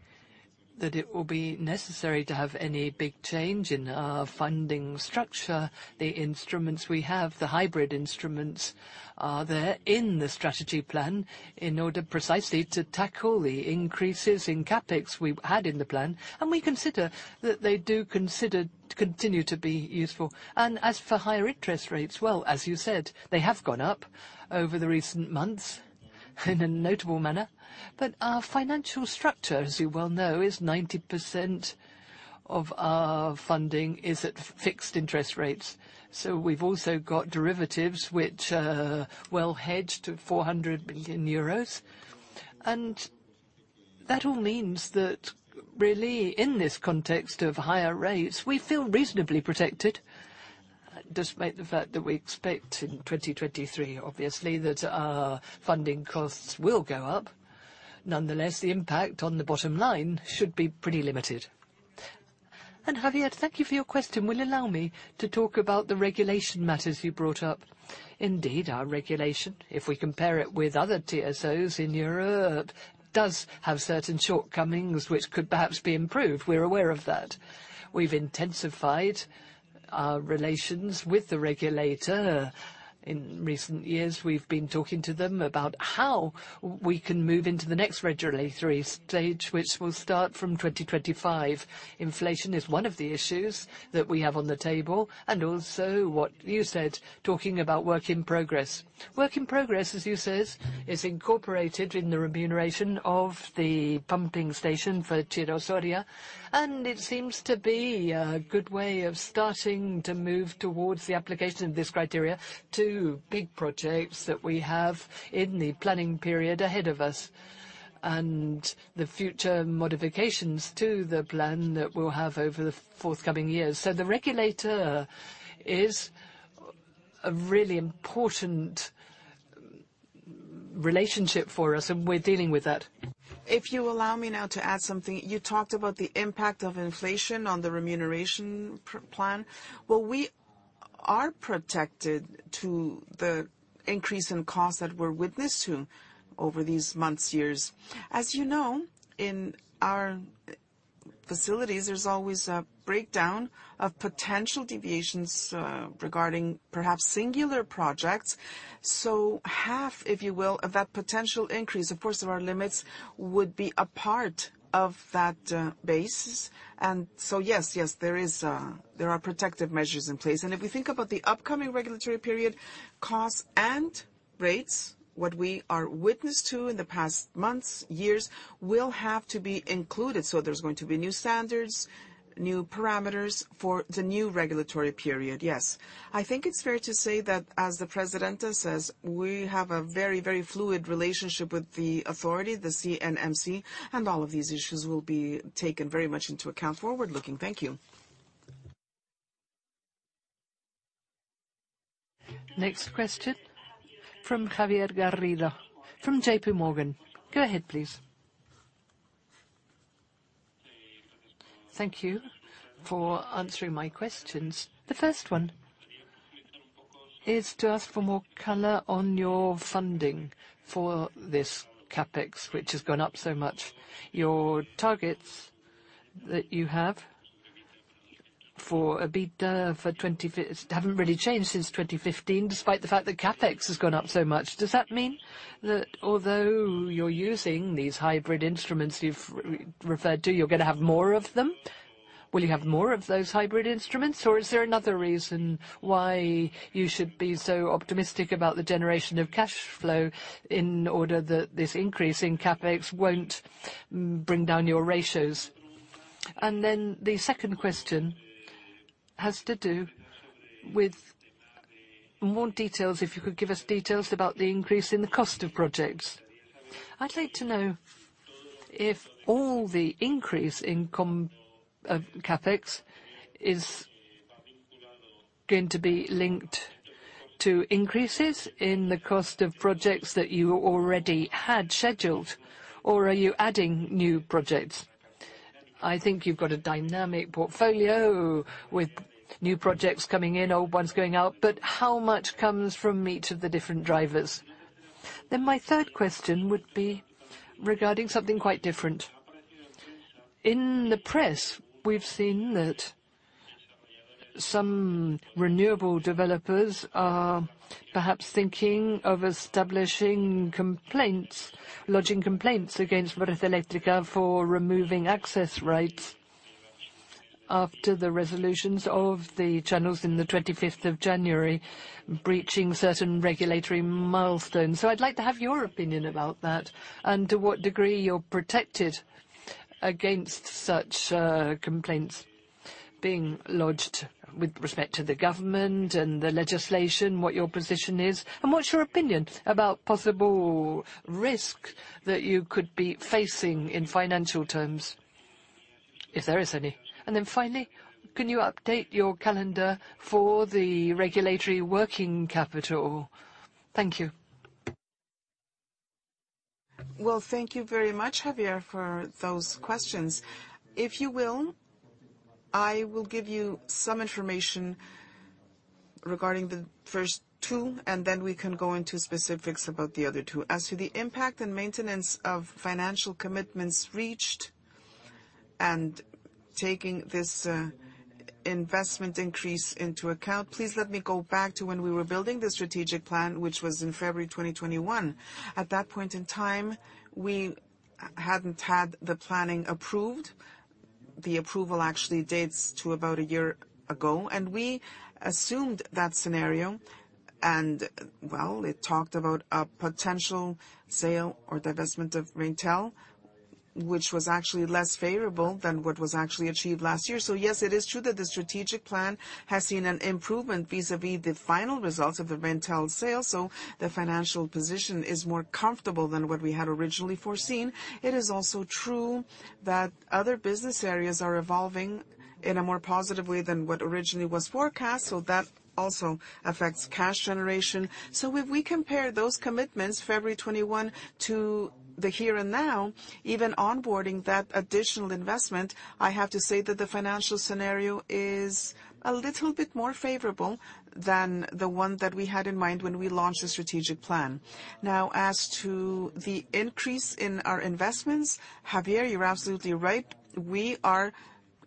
that it will be necessary to have any big change in our funding structure. The instruments we have, the hybrid instruments, are there in the strategy plan in order precisely to tackle the increases in CapEx we had in the plan, and we consider that they do continue to be useful. As for higher interest rates, well, as you said, they have gone up over the recent months in a notable manner. Our financial structure, as you well know, is 90% of our funding is at fixed interest rates. We've also got derivatives which, well hedged to 400 billion euros. That all means that really, in this context of higher rates, we feel reasonably protected, despite the fact that we expect in 2023, obviously, that our funding costs will go up. The impact on the bottom line should be pretty limited. Javier, thank you for your question, will allow me to talk about the regulation matters you brought up. Indeed, our regulation, if we compare it with other TSOs in Europe, does have certain shortcomings which could perhaps be improved. We're aware of that. We've intensified our relations with the regulator in recent years. We've been talking to them about how we can move into the next regulatory stage, which will start from 2025. Inflation is one of the issues that we have on the table and also what you said, talking about work in progress. Work in progress, as you said, is incorporated in the remuneration of the pumping station for Chira-Soria, and it seems to be a good way of starting to move towards the application of this criteria to big projects that we have in the planning period ahead of us, and the future modifications to the plan that we'll have over the forthcoming years. The regulator is a really important relationship for us, and we're dealing with that. If you allow me now to add something. You talked about the impact of inflation on the remuneration plan. Well, we are protected to the increase in costs that we're witness to over these months, years. As you know, in our facilities, there's always a breakdown of potential deviations regarding perhaps singular projects. Half, if you will, of that potential increase, of course, of our limits, would be a part of that base. Yes, there are protective measures in place. If we think about the upcoming regulatory period, costs and rates, what we are witness to in the past months, years, will have to be included. There's going to be new standards, new parameters for the new regulatory period, yes. I think it's fair to say that, as the Presidenta says, we have a very, very fluid relationship with the authority, the CNMC, and all of these issues will be taken very much into account forward-looking. Thank you. Next question from Javier Garrido from JPMorgan. Go ahead, please. Thank you for answering my questions. The first one is to ask for more color on your funding for this CapEx, which has gone up so much. Your targets that you have for EBITDA haven't really changed since 2015, despite the fact that CapEx has gone up so much. Does that mean that although you're using these hybrid instruments you've re-referred to, you're gonna have more of them? Will you have more of those hybrid instruments, or is there another reason why you should be so optimistic about the generation of cash flow in order that this increase in CapEx won't bring down your ratios? The second question has to do with more details, if you could give us details about the increase in the cost of projects. I'd like to know if all the increase in CapEx is going to be linked to increases in the cost of projects that you already had scheduled, or are you adding new projects? I think you've got a dynamic portfolio with new projects coming in, old ones going out, but how much comes from each of the different drivers? My 3rd question would be regarding something quite different. In the press, we've seen that some renewable developers are perhaps thinking of establishing complaints, lodging complaints against Red Eléctrica for removing access rights after the resolutions of the channels in the 25th of January, breaching certain regulatory milestones. I'd like to have your opinion about that and to what degree you're protected against such complaints being lodged with respect to the government and the legislation, what your position is. What's your opinion about possible risk that you could be facing in financial terms, if there is any? Finally, can you update your calendar for the regulatory working capital? Thank you. Well, thank you very much, Javier, for those questions. If you will, I will give you some information regarding the first two, and then we can go into specifics about the other two. As to the impact and maintenance of financial commitments reached and taking this investment increase into account, please let me go back to when we were building the strategic plan, which was in February 2021. At that point in time, we hadn't had the planning approved. The approval actually dates to about a year ago, and we assumed that scenario, and well, it talked about a potential sale or divestment of Reintel, which was actually less favorable than what was actually achieved last year. Yes, it is true that the strategic plan has seen an improvement vis-à-vis the final results of the Reintel sale, so the financial position is more comfortable than what we had originally foreseen. It is also true that other business areas are evolving in a more positive way than what originally was forecast, so that also affects cash generation. If we compare those commitments, February 21, to the here and now, even onboarding that additional investment, I have to say that the financial scenario is a little bit more favorable than the one that we had in mind when we launched the strategic plan. As to the increase in our investments, Javier, you're absolutely right. We are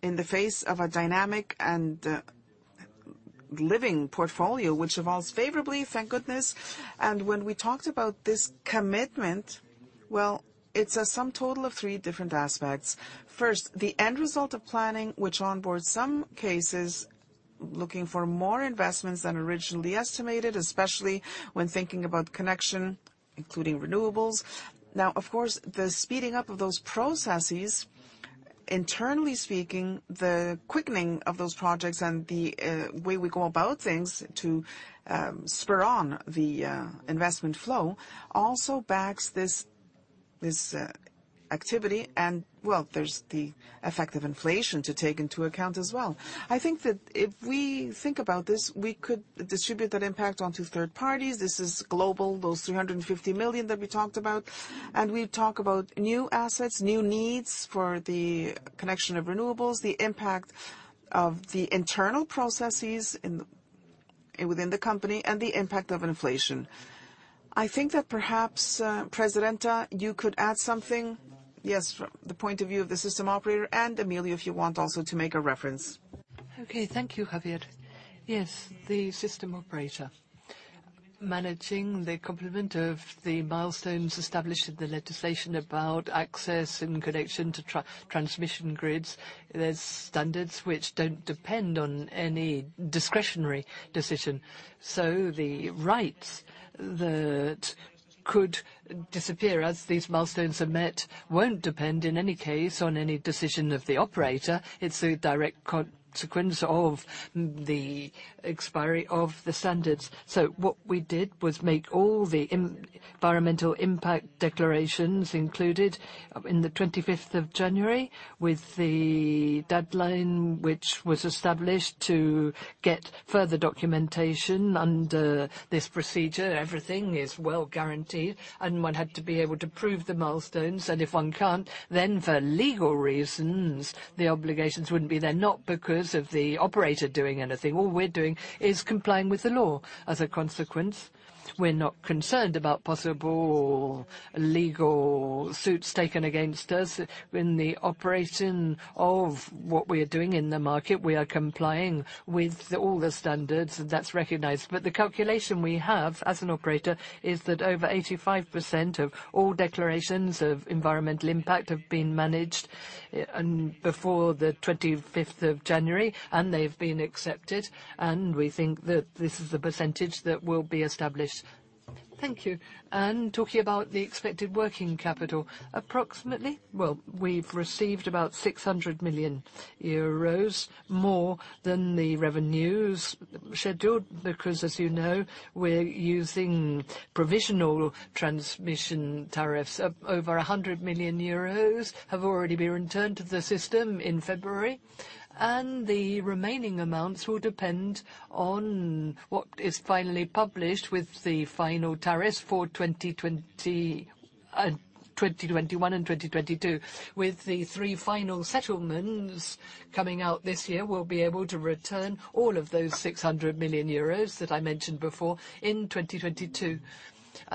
in the face of a dynamic and living portfolio, which evolves favorably, thank goodness. When we talked about this commitment, well, it's a sum total of three different aspects. First, the end result of planning, which onboards some cases looking for more investments than originally estimated, especially when thinking about connection, including renewables. Of course, the speeding up of those processes, internally speaking, the quickening of those projects and the way we go about things to spur on the investment flow also backs this activity and, well, there's the effect of inflation to take into account as well. I think that if we think about this, we could distribute that impact onto third parties. This is global, those 350 million that we talked about. We talk about new assets, new needs for the connection of renewables, the impact of the internal processes within the company, and the impact of inflation. I think that perhaps, Presidenta, you could add something. Yes, the point of view of the system operator, and Emilio, if you want also to make a reference. Okay, thank you, Javier. Yes, the system operator. Managing the complement of the milestones established in the legislation about access in connection to transmission grids, there's standards which don't depend on any discretionary decision. The rights that... Could disappear as these milestones are met, won't depend, in any case, on any decision of the operator. It's the direct consequence of the expiry of the standards. What we did was make all the environmental impact declarations included in the 25th of January, with the deadline which was established to get further documentation under this procedure. Everything is well guaranteed. One had to be able to prove the milestones, and if one can't, then for legal reasons, the obligations wouldn't be there, not because of the operator doing anything. All we're doing is complying with the law. As a consequence, we're not concerned about possible legal suits taken against us. In the operation of what we are doing in the market, we are complying with all the standards. That's recognized. The calculation we have as an operator is that over 85% of all declarations of environmental impact have been managed, and before the 25th of January, and they've been accepted, and we think that this is the percentage that will be established. Thank you. Talking about the expected working capital, approximately? Well, we've received about 600 million euros, more than the revenues scheduled, because as you know, we're using provisional transmission tariffs. Over 100 million euros have already been returned to the system in February, and the remaining amounts will depend on what is finally published with the final tariffs for 2020, 2021 and 2022. With the three final settlements coming out this year, we'll be able to return all of those 600 million euros that I mentioned before in 2022.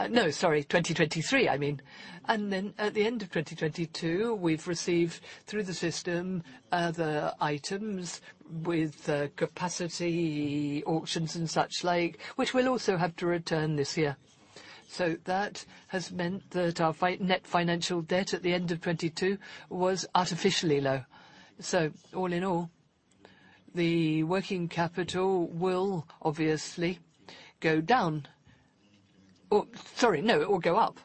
No, sorry, 2023, I mean. At the end of 2022, we've received, through the system, other items with capacity auctions and such like, which we'll also have to return this year. That has meant that our net financial debt at the end of 2022 was artificially low. All in all, the working capital will obviously go down. Sorry, no, it will go up.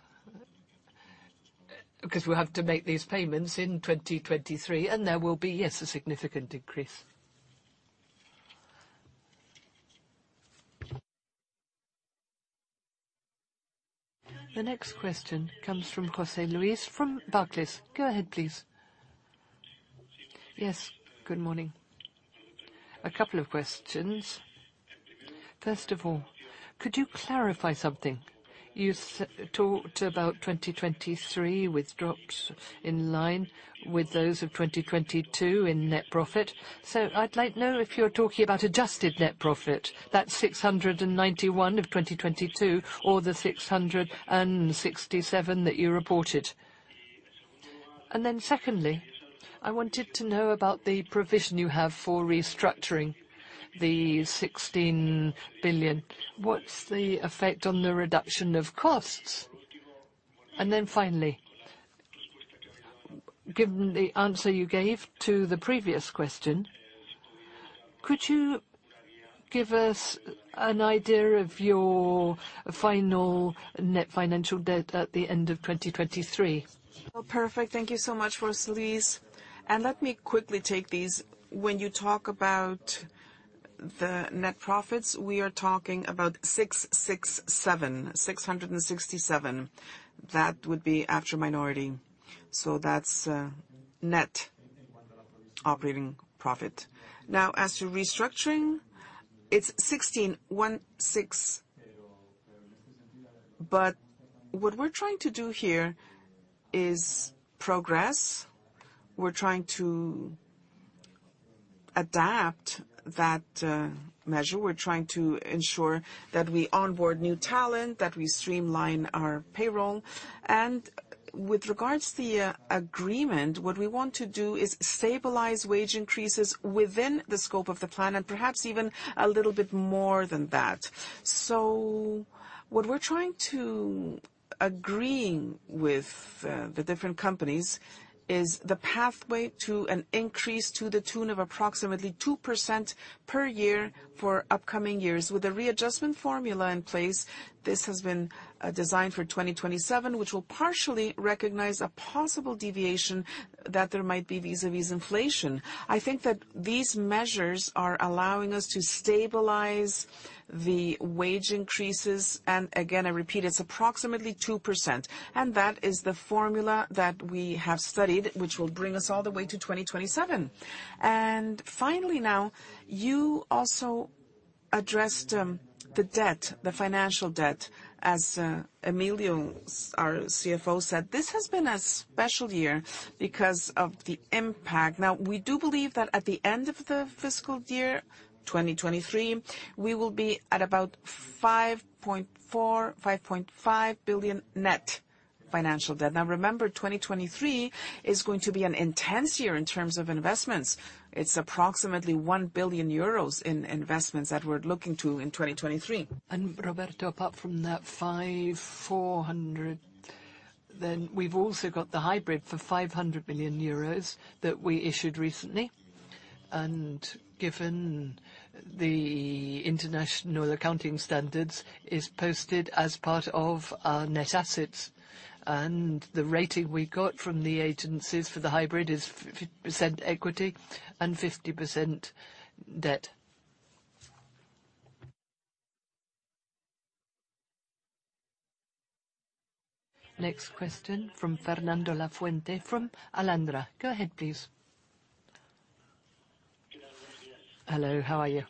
We'll have to make these payments in 2023, and there will be, yes, a significant increase. The next question comes from José Luis from Barclays. Go ahead, please. Yes, good morning. A couple of questions. First of all, could you clarify something? You talked about 2023 with drops in line with those of 2022 in net profit. I'd like to know if you're talking about adjusted net profit, that 691 of 2022 or the 667 that you reported. Secondly, I wanted to know about the provision you have for restructuring the 16 billion. What's the effect on the reduction of costs? Finally, given the answer you gave to the previous question, could you give us an idea of your final net financial debt at the end of 2023? Well, perfect. Thank you so much, José Luis. Let me quickly take these. When you talk about the net profits, we are talking about 667. That would be after minority. That's net operating profit. As to restructuring, it's EUR 16. What we're trying to do here is progress. We're trying to adapt that measure. We're trying to ensure that we onboard new talent, that we streamline our payroll. With regards to the agreement, what we want to do is stabilize wage increases within the scope of the plan and perhaps even a little bit more than that. What we're trying to agreeing with the different companies is the pathway to an increase to the tune of approximately 2% per year for upcoming years. With a readjustment formula in place, this has been designed for 2027, which will partially recognize a possible deviation that there might be vis-à-vis inflation. I think that these measures are allowing us to stabilize the wage increases. Again, I repeat, it's approximately 2%, and that is the formula that we have studied, which will bring us all the way to 2027. Finally, you also addressed the debt, the financial debt. As Emilio, our CFO said, this has been a special year because of the impact. We do believe that at the end of the fiscal year, 2023, we will be at about 5.4 billion-5.5 billion net financial debt. Remember, 2023 is going to be an intense year in terms of investments. It's approximately 1 billion euros in investments that we're looking to in 2023. Roberto, apart from that 400 We've also got the hybrid for 500 million euros that we issued recently. Given the international accounting standards, is posted as part of our net assets. The rating we got from the agencies for the hybrid is 50% equity and 50% debt. Next question from Fernando Lafuente from Alantra. Go ahead, please. Hello, how are you?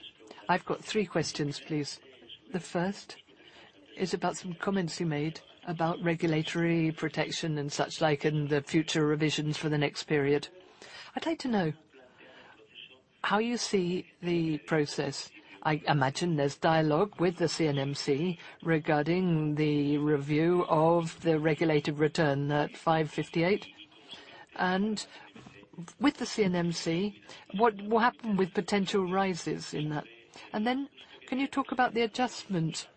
I've got three questions, please. The first is about some comments you made about regulatory protection and such like in the future revisions for the next period. I'd like to know how you see the process. I imagine there's dialogue with the CNMC regarding the review of the regulated return, that 5.58. With the CNMC, what happened with potential rises in that? Can you talk about the adjustment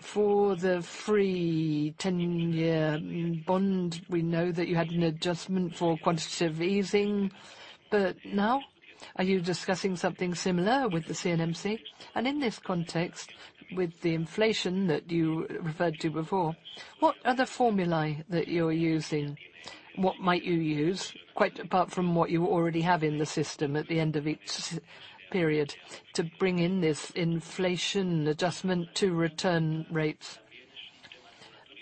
for the free 10-year bond? We know that you had an adjustment for quantitative easing, now are you discussing something similar with the CNMC? In this context, with the inflation that you referred to before, what other formulae that you're using, what might you use, quite apart from what you already have in the system at the end of each period, to bring in this inflation adjustment to return rates?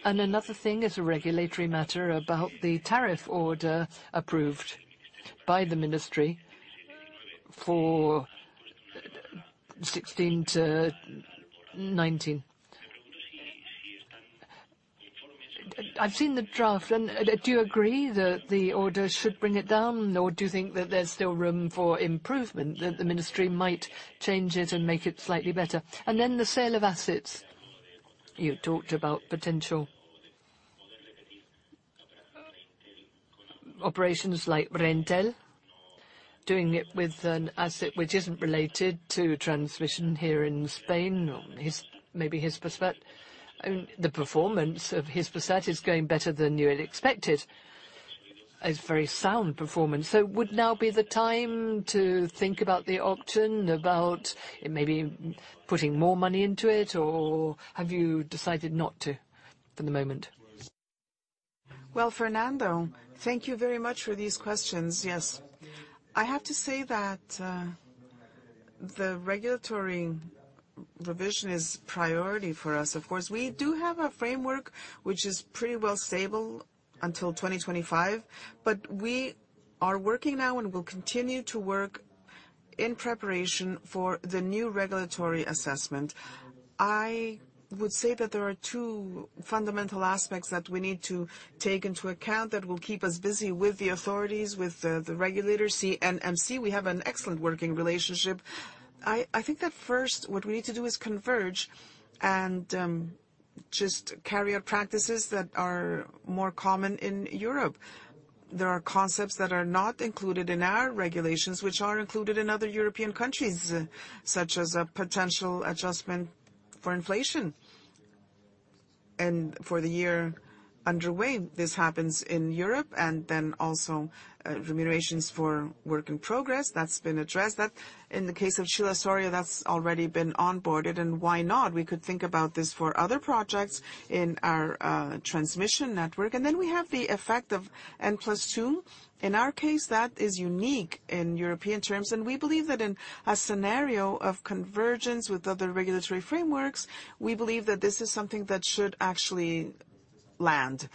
Another thing is a regulatory matter about the tariff order approved by the Ministry for 2016 to 2019. I've seen the draft, do you agree that the order should bring it down? Do you think that there's still room for improvement, that the Ministry might change it and make it slightly better? The sale of assets. You talked about potential operations like Reintel, doing it with an asset which isn't related to transmission here in Spain, or maybe Hispasat. I mean, the performance of Hispasat is going better than you had expected. It's very sound performance. Would now be the time to think about the auction, about maybe putting more money into it, or have you decided not to for the moment? Well, Fernando, thank you very much for these questions. Yes. I have to say that the regulatory revision is priority for us. Of course, we do have a framework which is pretty well stable until 2025, but we are working now and will continue to work in preparation for the new regulatory assessment. I would say that there are two fundamental aspects that we need to take into account that will keep us busy with the authorities, with the regulators, CNMC. We have an excellent working relationship. I think that first, what we need to do is converge and just carry out practices that are more common in Europe. There are concepts that are not included in our regulations, which are included in other European countries, such as a potential adjustment for inflation and for the year underway. This happens in Europe and then also, remunerations for work in progress. That's been addressed. In the case of Chira-Soria, that's already been onboarded. Why not? We could think about this for other projects in our transmission network. We have the effect of N+2. In our case, that is unique in European terms, and we believe that in a scenario of convergence with other regulatory frameworks, we believe that this is something that should actually land.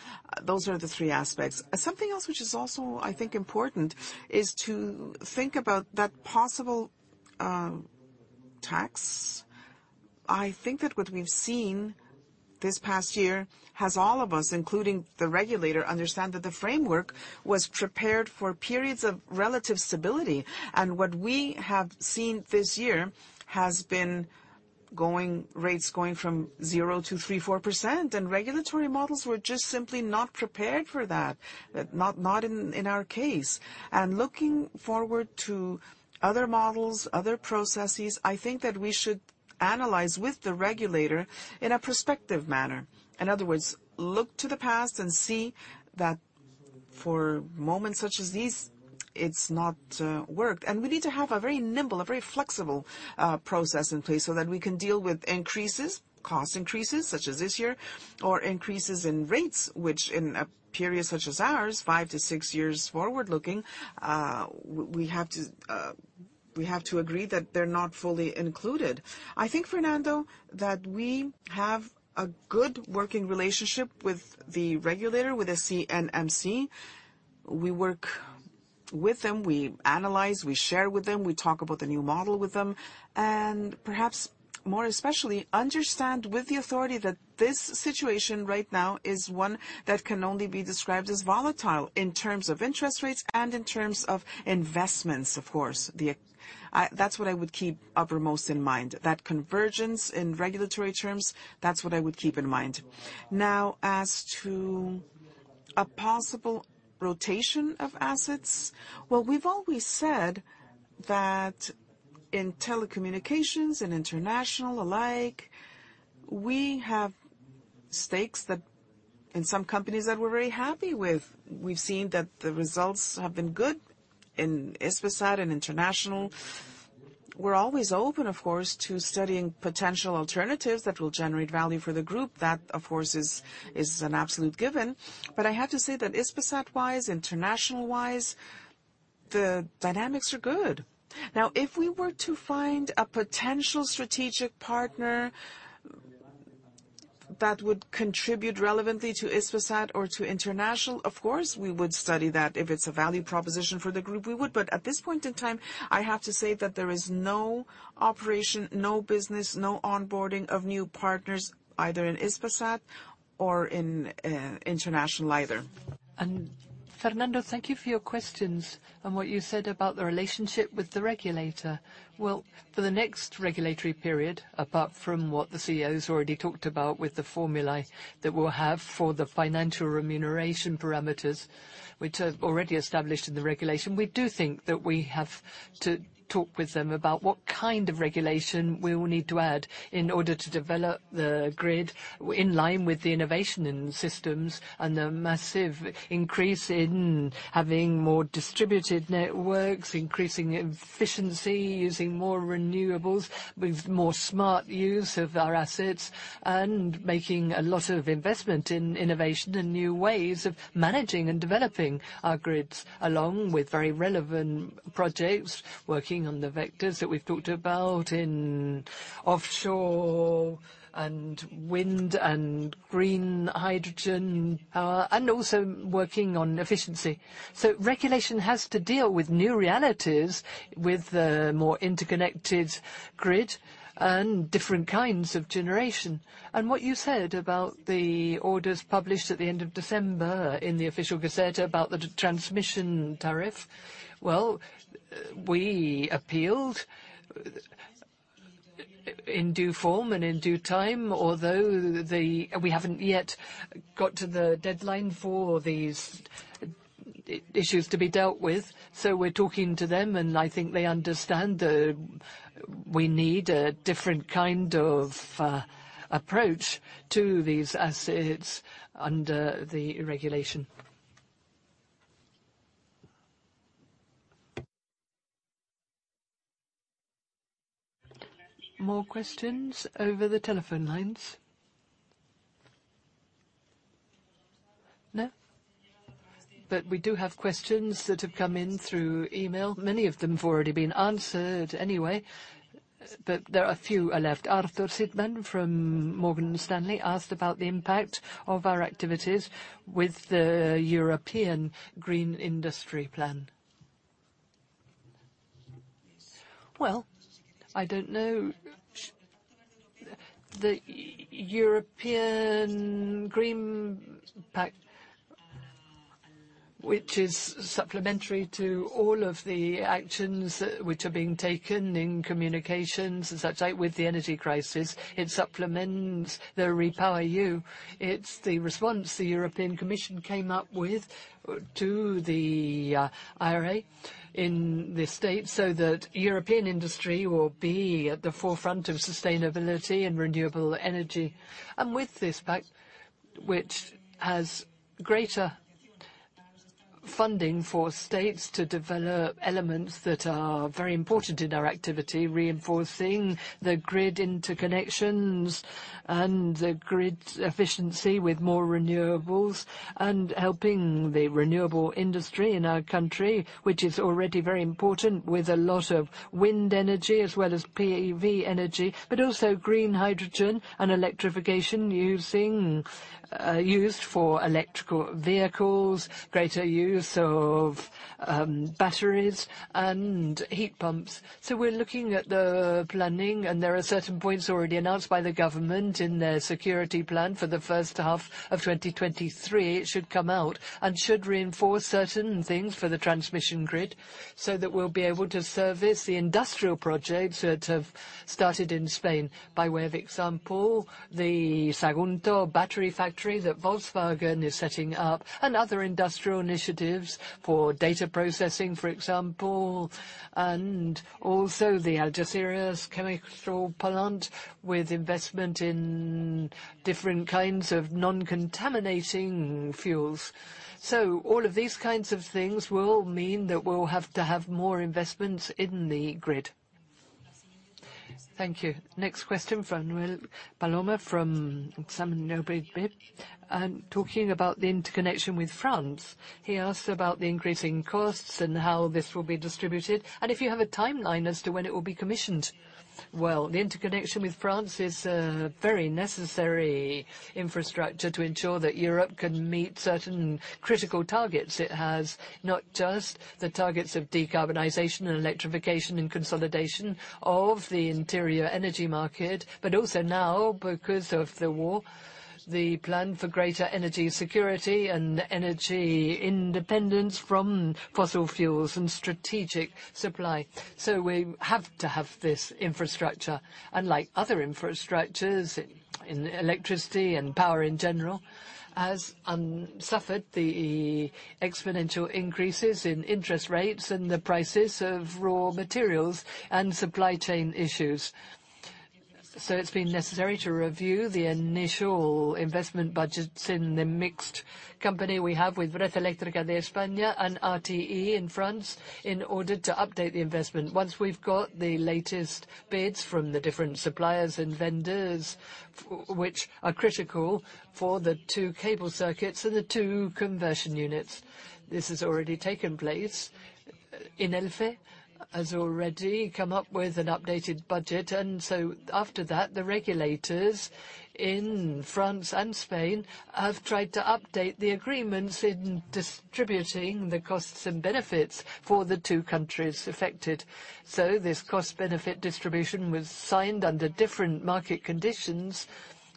Those are the three aspects. Something else which is also, I think, important is to think about that possible tax. I think that what we've seen this past year has all of us, including the regulator, understand that the framework was prepared for periods of relative stability. What we have seen this year has been going. rates going from 0% to 3%, 4%, regulatory models were just simply not prepared for that, not in our case. looking forward to other models, other processes, I think that we should analyze with the regulator in a prospective manner. In other words, look to the past and see that for moments such as these, it's not worked. we need to have a very nimble, a very flexible process in place so that we can deal with increases, cost increases such as this year, or increases in rates, which in a period such as ours, five to six years forward-looking, we have to, we have to agree that they're not fully included. I think, Fernando, that we have a good working relationship with the regulator, with the CNMC. We work with them, we analyze, we share with them, we talk about the new model with them, perhaps more especially, understand with the authority that this situation right now is one that can only be described as volatile in terms of interest rates and in terms of investments, of course. That's what I would keep uppermost in mind, that convergence in regulatory terms, that's what I would keep in mind. As to a possible rotation of assets, well, we've always said that In telecommunications and international alike, we have stakes that in some companies that we're very happy with. We've seen that the results have been good in Hispasat and international. We're always open, of course, to studying potential alternatives that will generate value for the group. That, of course, is an absolute given. I have to say that Hispasat-wise, international-wise, the dynamics are good. Now, if we were to find a potential strategic partner that would contribute relevantly to Hispasat or to international, of course, we would study that. If it's a value proposition for the group, we would. At this point in time, I have to say that there is no operation, no business, no onboarding of new partners, either in Hispasat or in international either. Fernando, thank you for your questions and what you said about the relationship with the regulator. For the next regulatory period, apart from what the CEO already talked about with the formulae that we'll have for the financial remuneration parameters, which are already established in the regulation, we do think that we have to talk with them about what kind of regulation we will need to add in order to develop the grid in line with the innovation in systems and the massive increase in having more distributed networks, increasing efficiency, using more renewables, with more smart use of our assets, and making a lot of investment in innovation and new ways of managing and developing our grids, along with very relevant projects, working on the vectors that we've talked about in offshore and wind and green hydrogen, and also working on efficiency. Regulation has to deal with new realities with the more interconnected grid and different kinds of generation. What you said about the orders published at the end of December in the official gazette about the transmission tariff, well, we appealed in due form and in due time. We haven't yet got to the deadline for these issues to be dealt with, so we're talking to them, and I think they understand, we need a different kind of approach to these assets under the regulation. More questions over the telephone lines? No? We do have questions that have come in through email. Many of them have already been answered anyway, but there are a few left. Arthur Sitbon from Morgan Stanley asked about the impact of our activities with the European Green Industry Plan. Well, I don't know The European Green Deal, which is supplementary to all of the actions which are being taken in communications and such like with the energy crisis, it supplements the REPowerEU. It's the response the European Commission came up with to the IRA in the States, so that European industry will be at the forefront of sustainability and renewable energy. With this pact, which has greater funding for states to develop elements that are very important in our activity, reinforcing the grid interconnections and the grid efficiency with more renewables and helping the renewable industry in our country, which is already very important with a lot of wind energy as well as PV energy, but also green hydrogen and electrification using used for electrical vehicles, greater use of batteries and heat pumps. We're looking at the planning, there are certain points already announced by the government in their security plan for the first half of 2023. It should come out and should reinforce certain things for the transmission grid, so that we'll be able to service the industrial projects that have started in Spain, by way of example, the Sagunto battery factory that Volkswagen is setting up, and other industrial initiatives for data processing, for example, and also the Algeciras chemical plant with investment in different kinds of non-contaminating fuels. All of these kinds of things will mean that we'll have to have more investments in the grid. Thank you. Next question from Manuel Palomo from Exane BNP Paribas, talking about the interconnection with France. He asks about the increasing costs and how this will be distributed and if you have a timeline as to when it will be commissioned. The interconnection with France is a very necessary infrastructure to ensure that Europe can meet certain critical targets. It has not just the targets of decarbonization and electrification and consolidation of the interior energy market, but also now, because of the war, the plan for greater energy security and energy independence from fossil fuels and strategic supply. We have to have this infrastructure, unlike other infrastructures in electricity and power in general, has suffered the exponential increases in interest rates and the prices of raw materials and supply chain issues. It's been necessary to review the initial investment budgets in the mixed company we have with Red Eléctrica de España and RTE in France in order to update the investment. Once we've got the latest bids from the different suppliers and vendors, which are critical for the two cable circuits and the two conversion units. This has already taken place. Enel has already come up with an updated budget. After that, the regulators in France and Spain have tried to update the agreements in distributing the costs and benefits for the two countries affected. This cost-benefit distribution was signed under different market conditions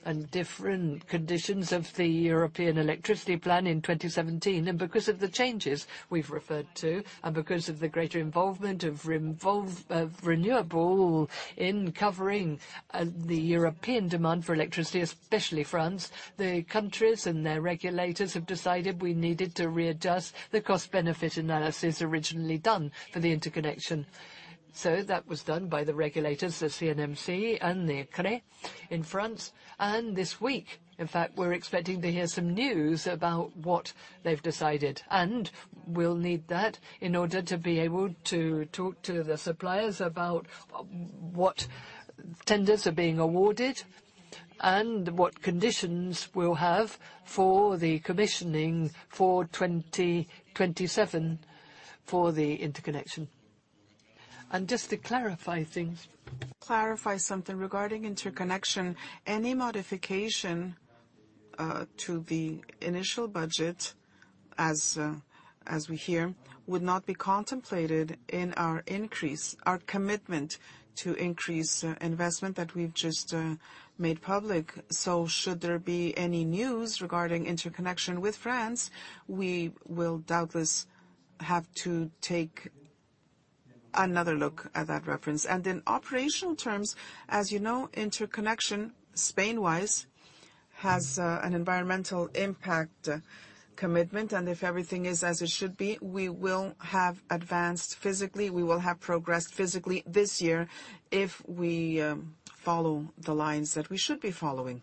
and different conditions of the European electricity plan in 2017. Because of the changes we've referred to, and because of the greater involvement of renewable in covering the European demand for electricity, especially France, the countries and their regulators have decided we needed to readjust the cost-benefit analysis originally done for the interconnection. That was done by the regulators, the CNMC and the CRE in France. This week, in fact, we're expecting to hear some news about what they've decided, and we'll need that in order to be able to talk to the suppliers about what tenders are being awarded and what conditions we'll have for the commissioning for 2027 for the interconnection. Just to clarify things. Clarify something regarding interconnection, any modification to the initial budget, as we hear, would not be contemplated in our commitment to increase investment that we've just made public. Should there be any news regarding interconnection with France, we will doubtless have to take another look at that reference. In operational terms, as you know, interconnection Spain-wise has an environmental impact commitment, and if everything is as it should be, we will have advanced physically. We will have progressed physically this year if we follow the lines that we should be following.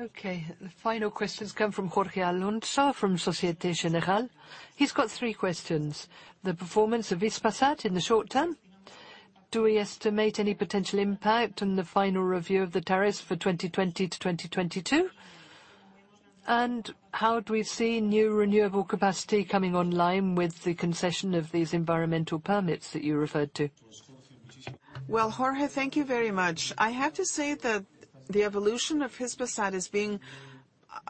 Okay. The final questions come from Jorge Alonso from Société Générale. He's got three questions. The performance of Hispasat in the short term, do we estimate any potential impact on the final review of the tariffs for 2020-2022? How do we see new renewable capacity coming online with the concession of these environmental permits that you referred to? Well, Jorge, thank you very much. I have to say that the evolution of Hispasat is being,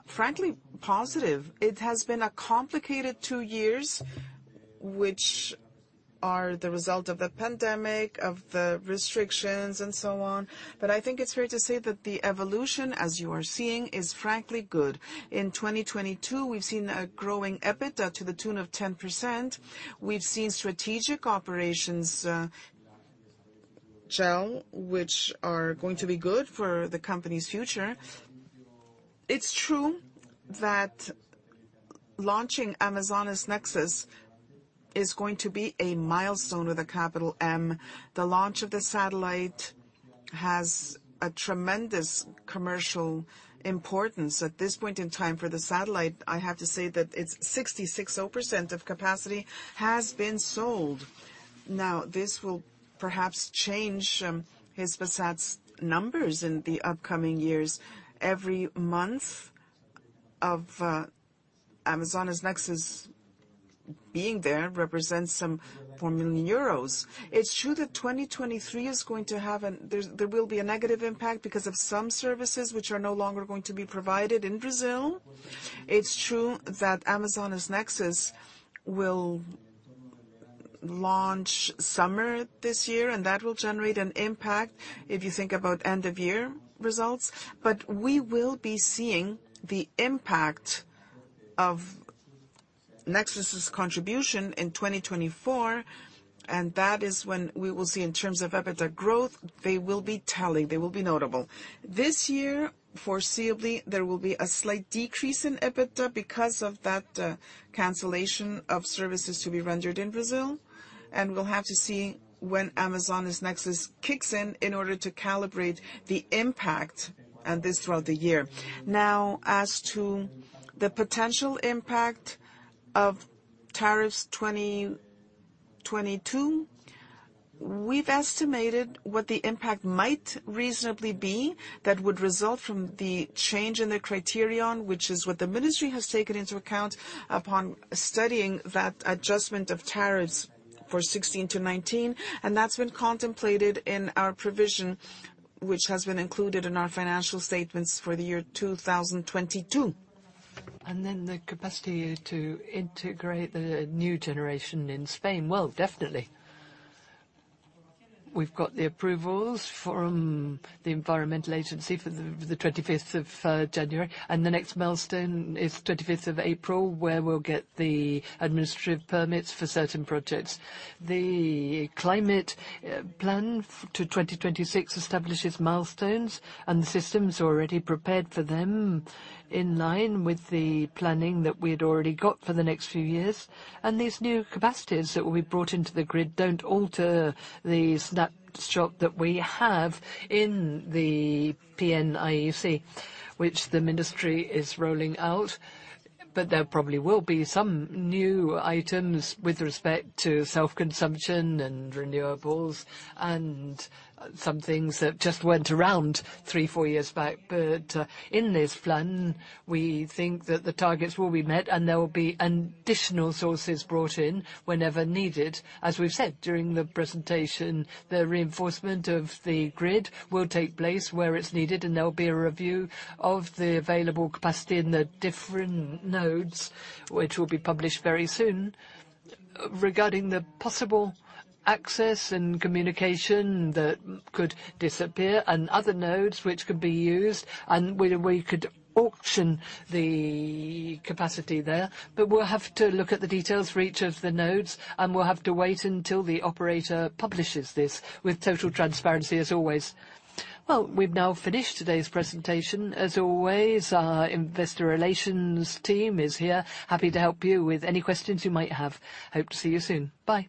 frankly, positive. It has been a complicated two years, which are the result of the pandemic, of the restrictions, and so on. I think it's fair to say that the evolution, as you are seeing, is frankly good. In 2022, we've seen a growing EBITDA to the tune of 10%. We've seen strategic operations gel, which are going to be good for the company's future. It's true that launching Amazonas Nexus is going to be a milestone with a capital M. The launch of the satellite has a tremendous commercial importance. At this point in time for the satellite, I have to say that 66 O% of capacity has been sold. This will perhaps change Hispasat's numbers in the upcoming years. Every month of Amazonas Nexus being there represents some 4 million euros. It's true that 2023 is going to have a negative impact because of some services which are no longer going to be provided in Brazil. It's true that Amazonas Nexus will launch summer this year, and that will generate an impact if you think about end-of-year results. We will be seeing the impact of Nexus' contribution in 2024, and that is when we will see in terms of EBITDA growth, they will be notable. This year, foreseeably, there will be a slight decrease in EBITDA because of that cancellation of services to be rendered in Brazil, and we'll have to see when Amazonas Nexus kicks in in order to calibrate the impact, and this throughout the year. As to the potential impact of tariffs 2022, we've estimated what the impact might reasonably be that would result from the change in the criterion, which is what the ministry has taken into account upon studying that adjustment of tariffs for 16 to 19, and that's been contemplated in our provision, which has been included in our financial statements for the year 2022. The capacity to integrate the new generation in Spain, well, definitely. We've got the approvals from the environmental agency for the 25th of January, and the next milestone is 25th of April, where we'll get the administrative permits for certain projects. The climate plan to 2026 establishes milestones, and the system's already prepared for them in line with the planning that we had already got for the next few years. These new capacities that will be brought into the grid don't alter the snapshot that we have in the PNIEC, which the ministry is rolling out. There probably will be some new items with respect to self-consumption and renewables and some things that just weren't around three, four years back. In this plan, we think that the targets will be met, and there will be additional sources brought in whenever needed. As we've said during the presentation, the reinforcement of the grid will take place where it's needed, and there will be a review of the available capacity in the different nodes which will be published very soon. Regarding the possible access and communication that could disappear and other nodes which could be used, and we could auction the capacity there. We'll have to look at the details for each of the nodes, and we'll have to wait until the operator publishes this with total transparency as always. Well, we've now finished today's presentation. As always, our investor relations team is here, happy to help you with any questions you might have. Hope to see you soon. Bye.